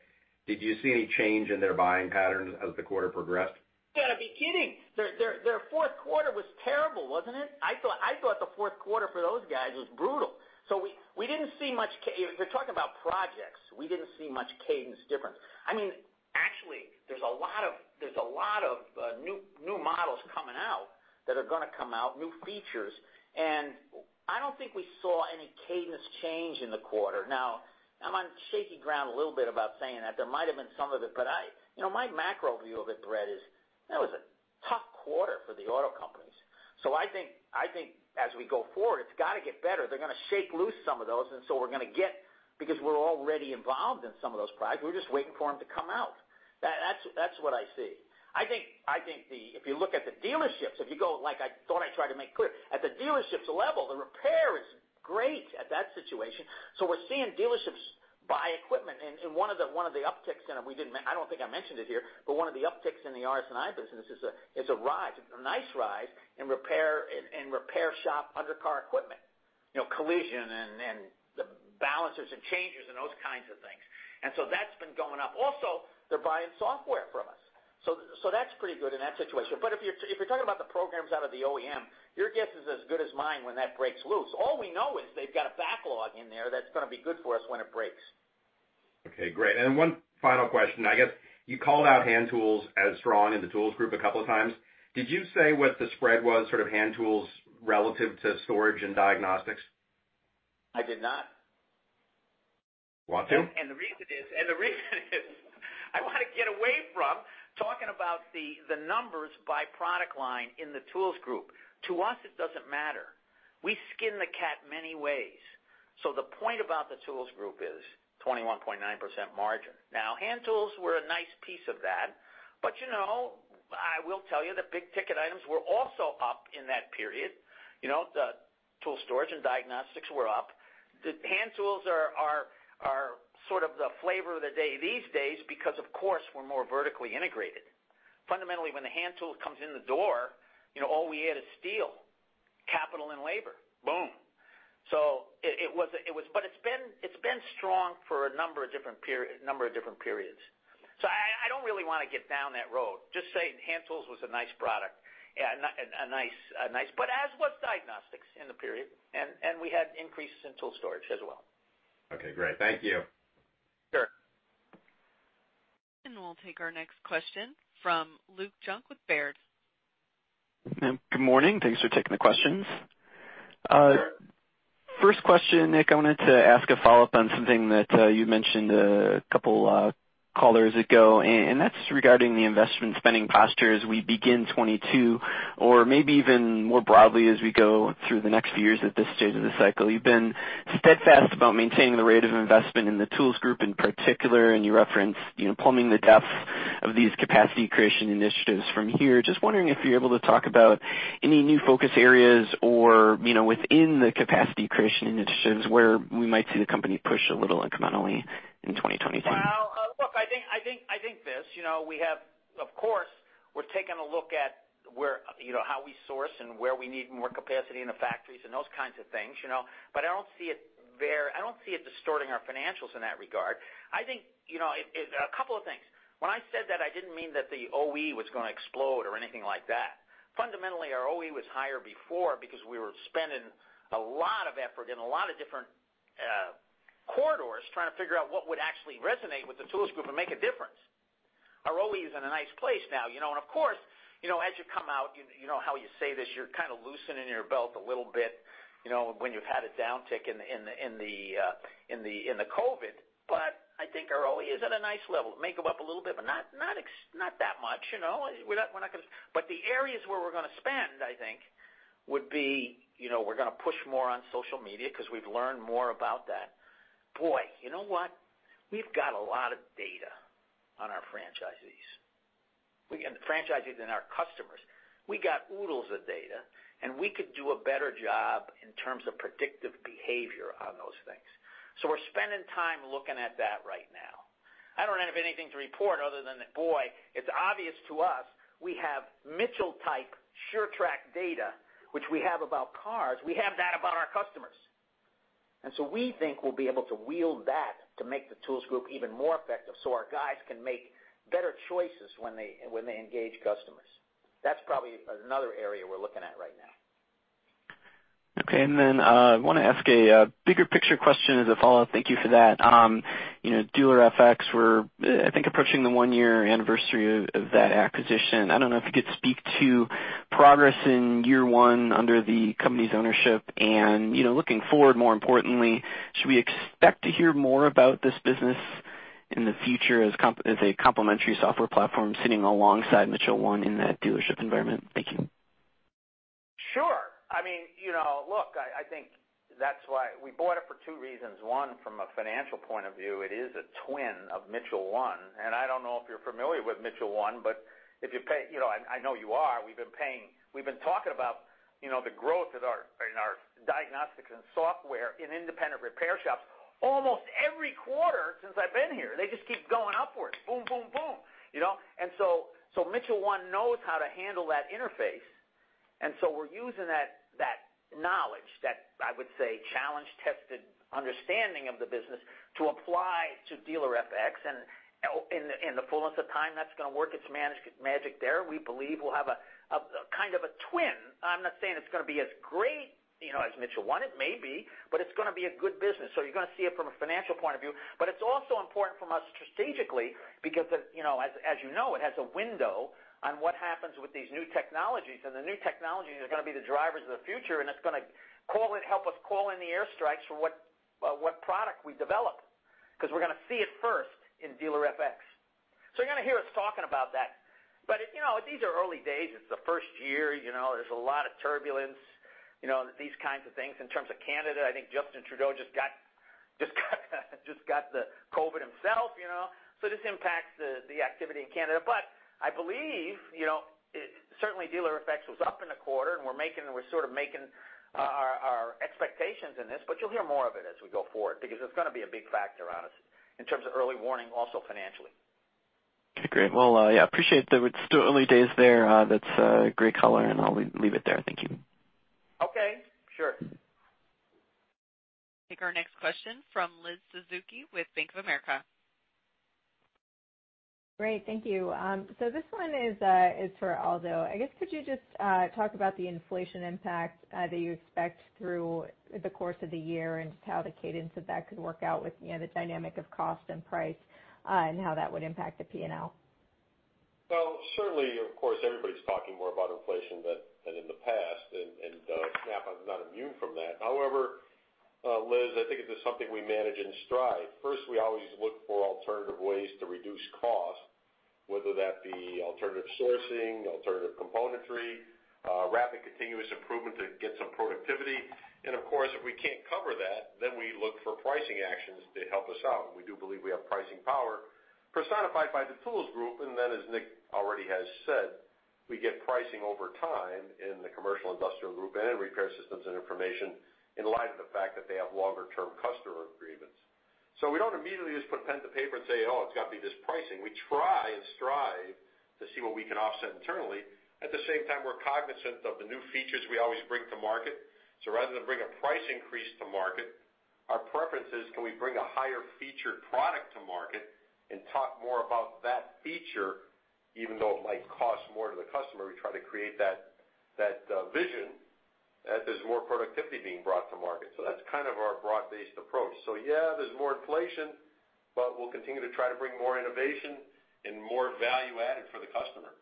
did you see any change in their buying patterns as the quarter progressed? You gotta be kidding. Their fourth quarter was terrible, wasn't it? I thought the fourth quarter for those guys was brutal. We didn't see much. You're talking about projects. We didn't see much cadence difference. I mean, actually, there's a lot of new models coming out that are gonna come out, new features, and I don't think we saw any cadence change in the quarter. Now, I'm on shaky ground a little bit about saying that. There might have been some of it, but you know, my macro view of it, Brett, is that was a tough quarter for the auto companies. I think as we go forward, it's gotta get better. They're gonna shake loose some of those, and we're gonna get Because we're already involved in some of those products, we're just waiting for them to come out. That's what I see. I think if you look at the dealerships, if you go, like I thought I tried to make clear, at the dealerships level, the repair is great at that situation. We're seeing dealerships buy equipment. One of the upticks, I don't think I mentioned it here, but one of the upticks in the RS&I business is a rise, a nice rise in repair, in repair shop undercar equipment. You know, collision and the balancers and changers and those kinds of things. That's been going up. Also, they're buying software from us. That's pretty good in that situation. If you're talking about the programs out of the OEM, your guess is as good as mine when that breaks loose. All we know is they've got a backlog in there that's gonna be good for us when it breaks. Okay, great. One final question. I guess you called out Hand Tools as strong in the Tools Group a couple of times. Did you say what the spread was for Hand Tools relative to storage and diagnostics? I did not. Want to? The reason is I wanna get away from talking about the numbers by product line in the Tools Group. To us, it doesn't matter. We skin the cat many ways. The point about the Tools Group is 21.9% margin. Now, Hand Tools were a nice piece of that, but you know, I will tell you the big ticket items were also up in that period. You know, the tool storage and diagnostics were up. The Hand Tools are sort of the flavor of the day these days because, of course, we're more vertically integrated. Fundamentally, when the hand tool comes in the door, you know, all we add is steel, capital and labor. Boom. It was. But it's been strong for a number of different periods. I don't really wanna get down that road. Just saying Hand Tools was a nice product, but so was diagnostics in the period. We had increases in tool storage as well. Okay, great. Thank you. Sure. We'll take our next question from Luke Junk with Baird. Ma'am, good morning. Thanks for taking the questions. First question, Nick, I wanted to ask a follow-up on something that you mentioned a couple callers ago, and that's regarding the investment spending posture as we begin 2022 or maybe even more broadly as we go through the next few years at this stage of the cycle. You've been steadfast about maintaining the rate of investment in the Tools Group in particular, and you referenced, you know, plumbing the depth of these capacity creation initiatives from here. Just wondering if you're able to talk about any new focus areas or, you know, within the capacity creation initiatives where we might see the company push a little incrementally in 2023. Well, look, I think this. You know, we have, of course, we're taking a look at where, you know, how we source and where we need more capacity in the factories and those kinds of things, you know? But I don't see it distorting our financials in that regard. I think, you know, it. A couple of things. When I said that, I didn't mean that the OpEx was gonna explode or anything like that. Fundamentally, our OpEx was higher before because we were spending a lot of effort in a lot of different corridors trying to figure out what would actually resonate with the Tools Group and make a difference. Our OpEx is in a nice place now, you know. Of course, you know, as you come out, you know how you say this, you're kind of loosening your belt a little bit, you know, when you've had a downtick in the COVID. I think our OpEx is at a nice level. Make them up a little bit, but not that much, you know? We're not gonna. The areas where we're gonna spend, I think, would be, you know, we're gonna push more on social media 'cause we've learned more about that. Boy, you know what? We've got a lot of data on our franchisees. The franchisees and our customers. We got oodles of data, and we could do a better job in terms of predictive behavior on those things. We're spending time looking at that right now. I don't have anything to report other than that, boy, it's obvious to us we have Mitchell-type SureTrack data, which we have about cars, we have that about our customers. We think we'll be able to wield that to make the Tools Group even more effective so our guys can make better choices when they engage customers. That's probably another area we're looking at right now. Okay. I wanna ask a bigger picture question as a follow-up. Thank you for that. You know, Dealer-FX, we're, I think, approaching the one-year anniversary of that acquisition. I don't know if you could speak to progress in year one under the company's ownership. You know, looking forward, more importantly, should we expect to hear more about this business in the future as a complementary software platform sitting alongside Mitchell 1 in that dealership environment? Thank you. Sure. I mean, you know, look, I think that's why. We bought it for two reasons. One, from a financial point of view, it is a twin of Mitchell 1. I don't know if you're familiar with Mitchell 1, but if you pay, you know, I know you are. We've been talking about, you know, the growth of our diagnostics and software in independent repair shops almost every quarter since I've been here. They just keep going upwards. Boom, boom. You know? Mitchell 1 knows how to handle that interface. We're using that knowledge, that, I would say, challenge-tested understanding of the business to apply to Dealer-FX. In the fullness of time, that's gonna work its magic there. We believe we'll have a kind of a twin. I'm not saying it's gonna be as great, you know, as Mitchell 1. It may be, but it's gonna be a good business. You're gonna see it from a financial point of view, but it's also important for us strategically because it, you know, as you know, it has a window on what happens with these new technologies. The new technologies are gonna be the drivers of the future, and it's gonna call in, help us call in the airstrikes for what product we develop. 'Cause we're gonna see it first in Dealer-FX. You're gonna hear us talking about that. You know, these are early days. It's the first year. You know, there's a lot of turbulence, you know, these kinds of things. In terms of Canada, I think Justin Trudeau just got the COVID himself, you know. This impacts the activity in Canada. I believe, you know, it. Certainly, Dealer-FX was up in the quarter, and we're sort of making our expectations in this. You'll hear more of it as we go forward because it's gonna be a big factor on us in terms of early warning, also financially. Okay, great. Well, yeah, appreciate that it's still early days there. That's a great color, and I'll leave it there. Thank you. Okay. Sure. Take our next question from Elizabeth Suzuki with Bank of America. Great. Thank you. This one is for Aldo. I guess could you just talk about the inflation impact that you expect through the course of the year and just how the cadence of that could work out with, you know, the dynamic of cost and price, and how that would impact the P&L? Well, certainly, of course, everybody's talking more about inflation than in the past. Snap-on's not immune from that. However, Liz, I think it is something we manage and strive. First, we always look for alternative ways to reduce cost, whether that be alternative sourcing, alternative componentry, rapid continuous improvement to get some productivity. Of course, if we can't cover that, then we look for pricing actions to help us out. We do believe we have pricing power personified by the Tools Group. Then as Nick already has said, we get pricing over time in the Commercial & Industrial Group and in Repair Systems and Information in light of the fact that they have longer term customer agreements. We don't immediately just put pen to paper and say, "Oh, it's gotta be this pricing." We try and strive to see what we can offset internally. At the same time, we're cognizant of the new features we always bring to market. Rather than bring a price increase to market, our preference is can we bring a higher featured product to market and talk more about that feature? Even though it might cost more to the customer, we try to create that vision, that there's more productivity being brought to market. That's kind of our broad-based approach. Yeah, there's more inflation, but we'll continue to try to bring more innovation and more value added for the customer.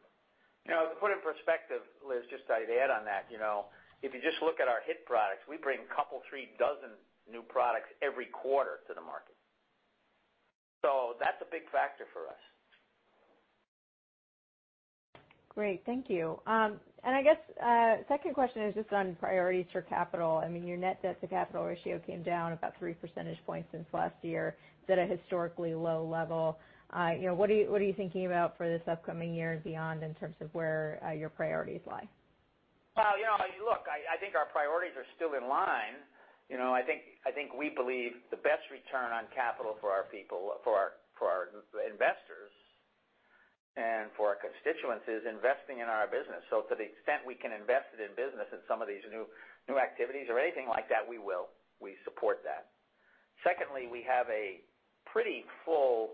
Now to put it in perspective, Liz, just I'd add to that, you know, if you just look at our hit products, we bring couple three dozen new products every quarter to the market. That's a big factor for us. Great. Thank you. I guess, second question is just on priorities for capital. I mean, your net debt to capital ratio came down about 3 percentage points since last year at a historically low level. You know, what are you thinking about for this upcoming year and beyond in terms of where your priorities lie? Well, you know, look, I think our priorities are still in line. You know, I think we believe the best return on capital for our people, for our investors and for our constituents is investing in our business. To the extent we can invest it in business in some of these new activities or anything like that, we will. We support that. Secondly, we have a pretty full,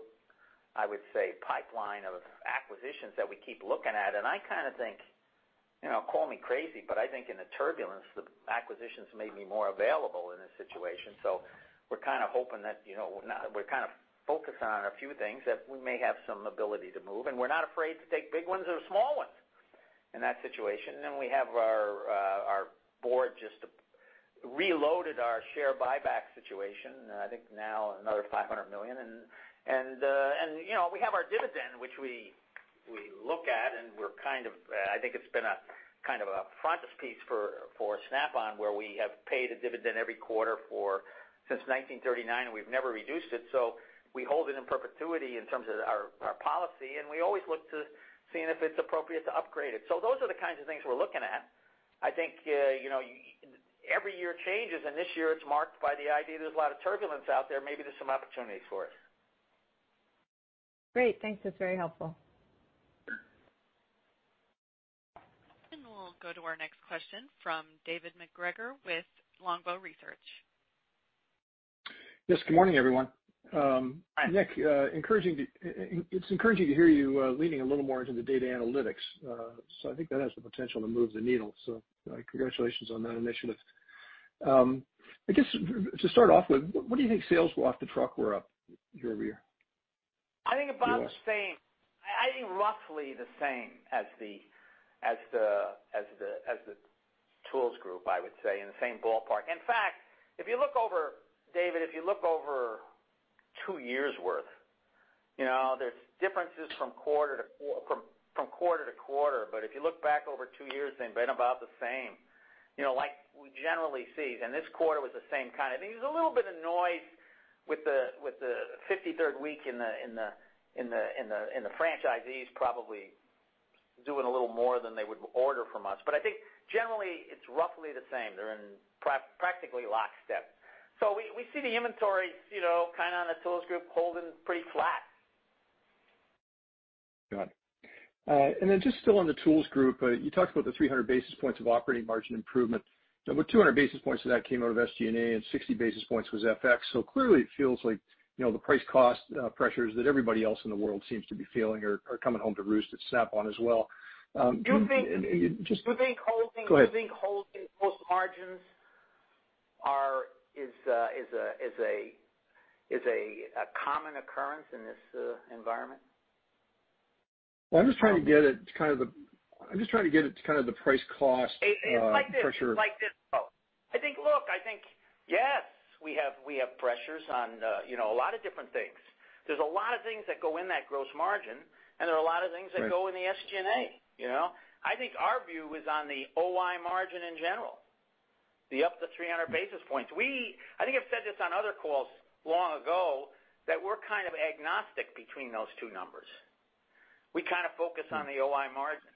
I would say, pipeline of acquisitions that we keep looking at, and I kind of think, you know, call me crazy, but I think in the turbulence, the acquisitions may be more available in this situation. We're kind of hoping that, you know, we're kind of focused on a few things that we may have some ability to move, and we're not afraid to take big ones or small ones in that situation. We have our board just reloaded our share buyback situation, and I think now another $500 million. You know, we have our dividend, which we look at and I think it's been kind of a front piece for Snap-on, where we have paid a dividend every quarter since 1939, and we've never reduced it. We hold it in perpetuity in terms of our policy, and we always look to seeing if it's appropriate to upgrade it. Those are the kinds of things we're looking at. I think, you know, every year changes, and this year it's marked by the idea there's a lot of turbulence out there. Maybe there's some opportunity for it. Great. Thanks. That's very helpful. We'll go to our next question from David MacGregor with Longbow Research. Yes, good morning, everyone. Hi. Nick, it's encouraging to hear you leaning a little more into the data analytics. I think that has the potential to move the needle. Congratulations on that initiative. I guess to start off with, what do you think sales off the truck were up year-over-year? I think about the same. I think roughly the same as the Tools Group, I would say, in the same ballpark. In fact, if you look over, David, if you look over two years' worth, you know, there's differences from quarter to quarter, but if you look back over two years, they've been about the same. You know, like we generally see, and this quarter was the same kind of thing. There's a little bit of noise with the 53rd week in the franchisees probably doing a little more than they would order from us. But I think generally it's roughly the same. They're in practically lockstep. We see the inventory, you know, kind of in the Tools Group holding pretty flat. Got it. Just still on the Tools Group, you talked about the 300 basis points of operating margin improvement. Now, about 200 basis points of that came out of SG&A and 60 basis points was FX. Clearly it feels like, you know, the price cost pressures that everybody else in the world seems to be feeling are coming home to roost at Snap-on as well. Do you think- Do you think holding- Go ahead. Do you think holding gross margins is a common occurrence in this environment? Well, I'm just trying to get at kind of the price cost pressure. It's like this. Look, I think yes, we have pressures on, you know, a lot of different things. There's a lot of things that go in that gross margin, and there are a lot of things that go in the SG&A, you know? I think our view is on the OI margin in general, the up to 300 basis points. I think I've said this on other calls long ago, that we're kind of agnostic between those two numbers. We kind of focus on the OI margin.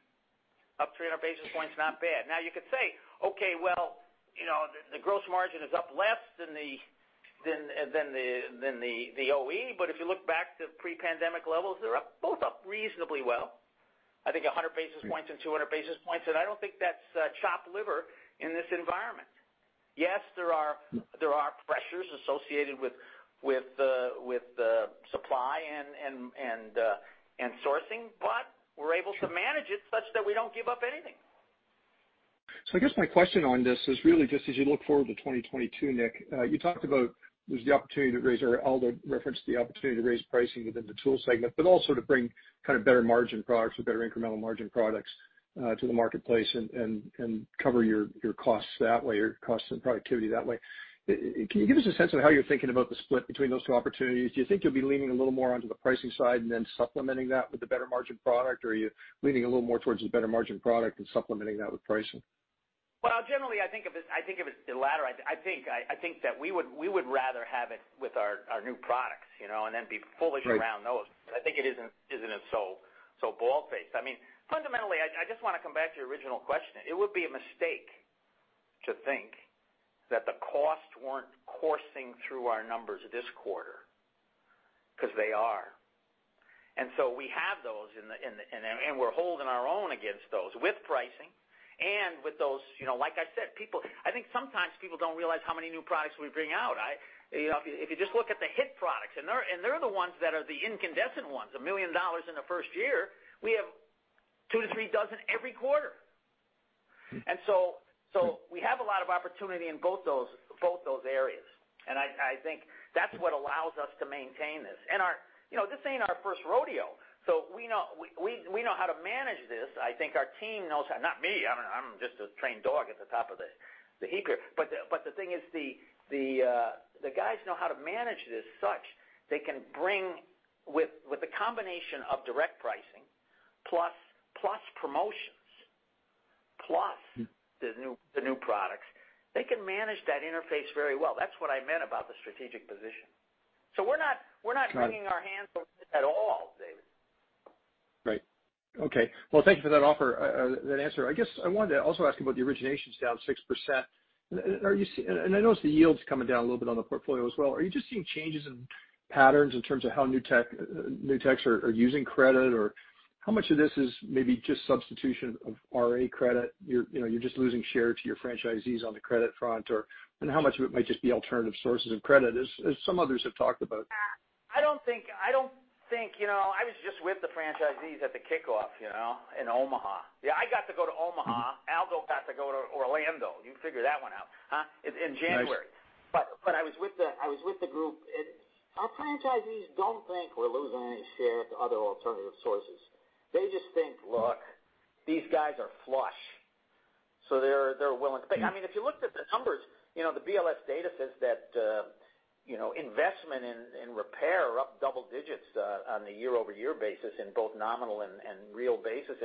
Up 300 basis points, not bad. Now, you could say, okay, well, you know, the gross margin is up less than the OpEx. If you look back to pre-pandemic levels, they're both up reasonably well. I think 100 basis points and 200 basis points, and I don't think that's chopped liver in this environment. Yes, there are pressures associated with supply and sourcing, but we're able to manage it such that we don't give up anything. I guess my question on this is really just as you look forward to 2022, Nick. Aldo referenced the opportunity to raise pricing within the tool segment, but also to bring kind of better margin products or better incremental margin products to the marketplace and cover your costs that way or costs and productivity that way. Can you give us a sense of how you're thinking about the split between those two opportunities? Do you think you'll be leaning a little more onto the pricing side and then supplementing that with the better margin product? Or are you leaning a little more towards the better margin product and supplementing that with pricing? Well, generally, I think of it the latter. I think that we would rather have it with our new products, you know, and then be bullish around those. But I think it isn't as so bold-faced. I mean, fundamentally, I just wanna come back to your original question. It would be a mistake to think that the costs weren't coursing through our numbers this quarter, 'cause they are. So we have those, and we're holding our own against those with pricing and with those, you know, like I said. I think sometimes people don't realize how many new products we bring out. You know, if you just look at the hit products, and they're the ones that are the in-demand ones, $1 million in the first year. We have two to three dozen every quarter. We have a lot of opportunity in both those areas. I think that's what allows us to maintain this. Our, you know, this ain't our first rodeo, so we know how to manage this. I think our team knows how. Not me. I'm just a trained dog at the top of this heap here. The thing is the guys know how to manage this so they can bring with the combination of direct pricing plus promotions, plus Mm. The new products, they can manage that interface very well. That's what I meant about the strategic position. We're not Right. Not wringing our hands over this at all, David. Okay. Well, thank you for that answer. I guess I wanted to also ask you about the originations down 6%. I notice the yields coming down a little bit on the portfolio as well. Are you just seeing changes in patterns in terms of how new techs are using credit? Or how much of this is maybe just substitution of RA credit? You know, you're just losing share to your franchisees on the credit front or how much of it might just be alternative sources of credit, as some others have talked about. I don't think you know, I was just with the franchisees at the kickoff, you know, in Omaha. Yeah, I got to go to Omaha. Uh-huh. Aldo got to go to Orlando. You can figure that one out, huh? It's in January. Nice. I was with the group. Our franchisees don't think we're losing any share to other alternative sources. They just think, "Look, these guys are flush, so they're willing to pay." I mean, if you looked at the numbers, you know, the BLS data says that, you know, investment in repair are up double digits, on a year-over-year basis in both nominal and real basis.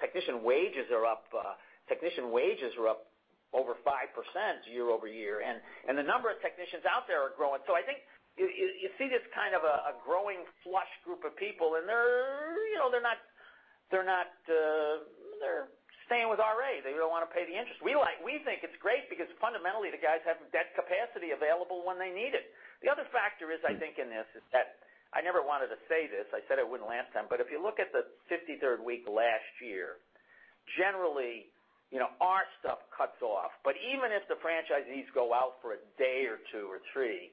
Technician wages are up over 5% year-over-year, and the number of technicians out there are growing. I think you see this kind of a growing flush group of people, and they're, you know, they're not. They're staying with RA. They don't wanna pay the interest. We think it's great because fundamentally, the guys have debt capacity available when they need it. The other factor is, I think, in this, is that I never wanted to say this, I said I wouldn't last time, but if you look at the 53rd week last year, generally, you know, our stuff cuts off. Even if the franchisees go out for a day or two or three,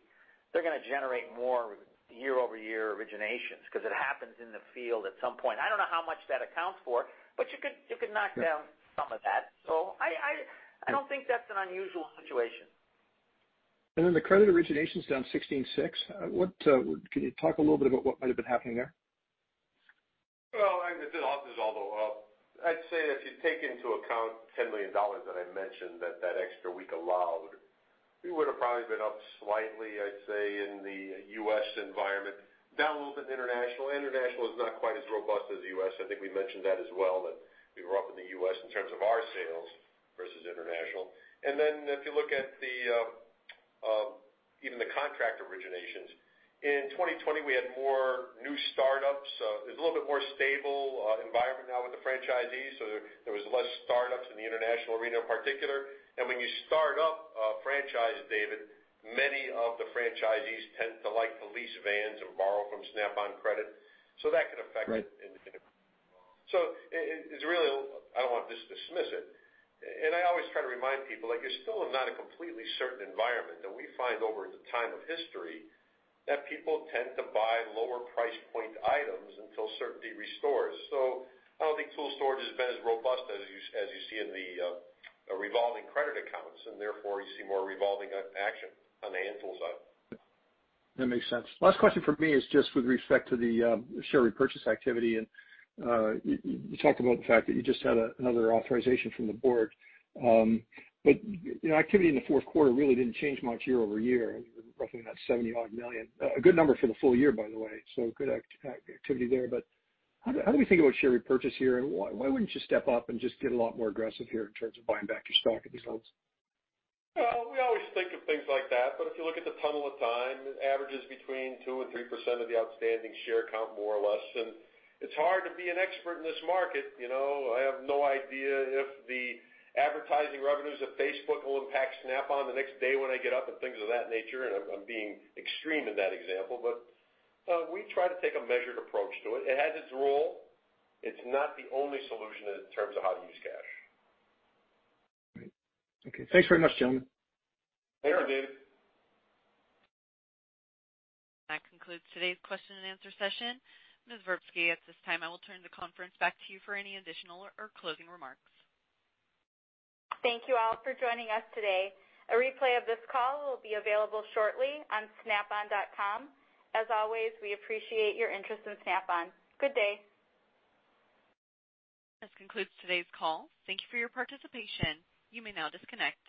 they're gonna generate more year-over-year originations, 'cause it happens in the field at some point. I don't know how much that accounts for, but you could knock down some of that. I don't think that's an unusual situation. The credit origination's down 16.6%. What can you talk a little bit about what might have been happening there? Well, I mean, the (audio distortion) I'd say if you take into account $10 million that I mentioned that extra week allowed, we would have probably been up slightly, I'd say in the U.S. environment, down a little bit internationally. International is not quite as robust as the U.S. I think we mentioned that as well, that we were up in the U.S. in terms of our sales versus international. Then if you look at the contract originations, in 2020, we had more new startups, so it's a little bit more stable environment now with the franchisees, so there was less startups in the international arena in particular. When you start up a franchise, David, many of the franchisees tend to like the lease vans or borrow from Snap-on Credit. That can affect it. So it's really, I don't want to just dismiss it. And I always try to remind people, it's still not a completely certain environment. And we find over the time of history that people tend to buy at lower price point items until certainty restores. So I think tool storage has been as robust as you see in the revolving credit accounts, and therefore you see more revolving up action on the. (audio distortion) That makes sense. Last question from me is just with respect to the share repurchase activity. You talked about the fact that you just had another authorization from the board. You know, activity in the fourth quarter really didn't change much year-over-year, roughly about $70-odd million. A good number for the full year, by the way, so good activity there. How do we think about share repurchase here, and why wouldn't you step up and just get a lot more aggressive here in terms of buying back your stock at these levels? Well, we always think of things like that, but if you look at the tunnel of time, it averages between 2%-3% of the outstanding share count, more or less. It's hard to be an expert in this market. You know, I have no idea if the advertising revenues at Facebook will impact Snap-on the next day when I get up and things of that nature, and I'm being extreme in that example. We try to take a measured approach to it. It has its role. It's not the only solution in terms of how to use cash. Great. Okay. Thanks very much, gentlemen. Later, David. That concludes today's question and answer session. Ms. Verbsky, at this time, I will turn the conference back to you for any additional or closing remarks. Thank you all for joining us today. A replay of this call will be available shortly on snapon.com. As always, we appreciate your interest in Snap-on. Good day. This concludes today's call. Thank you for your participation. You may now disconnect.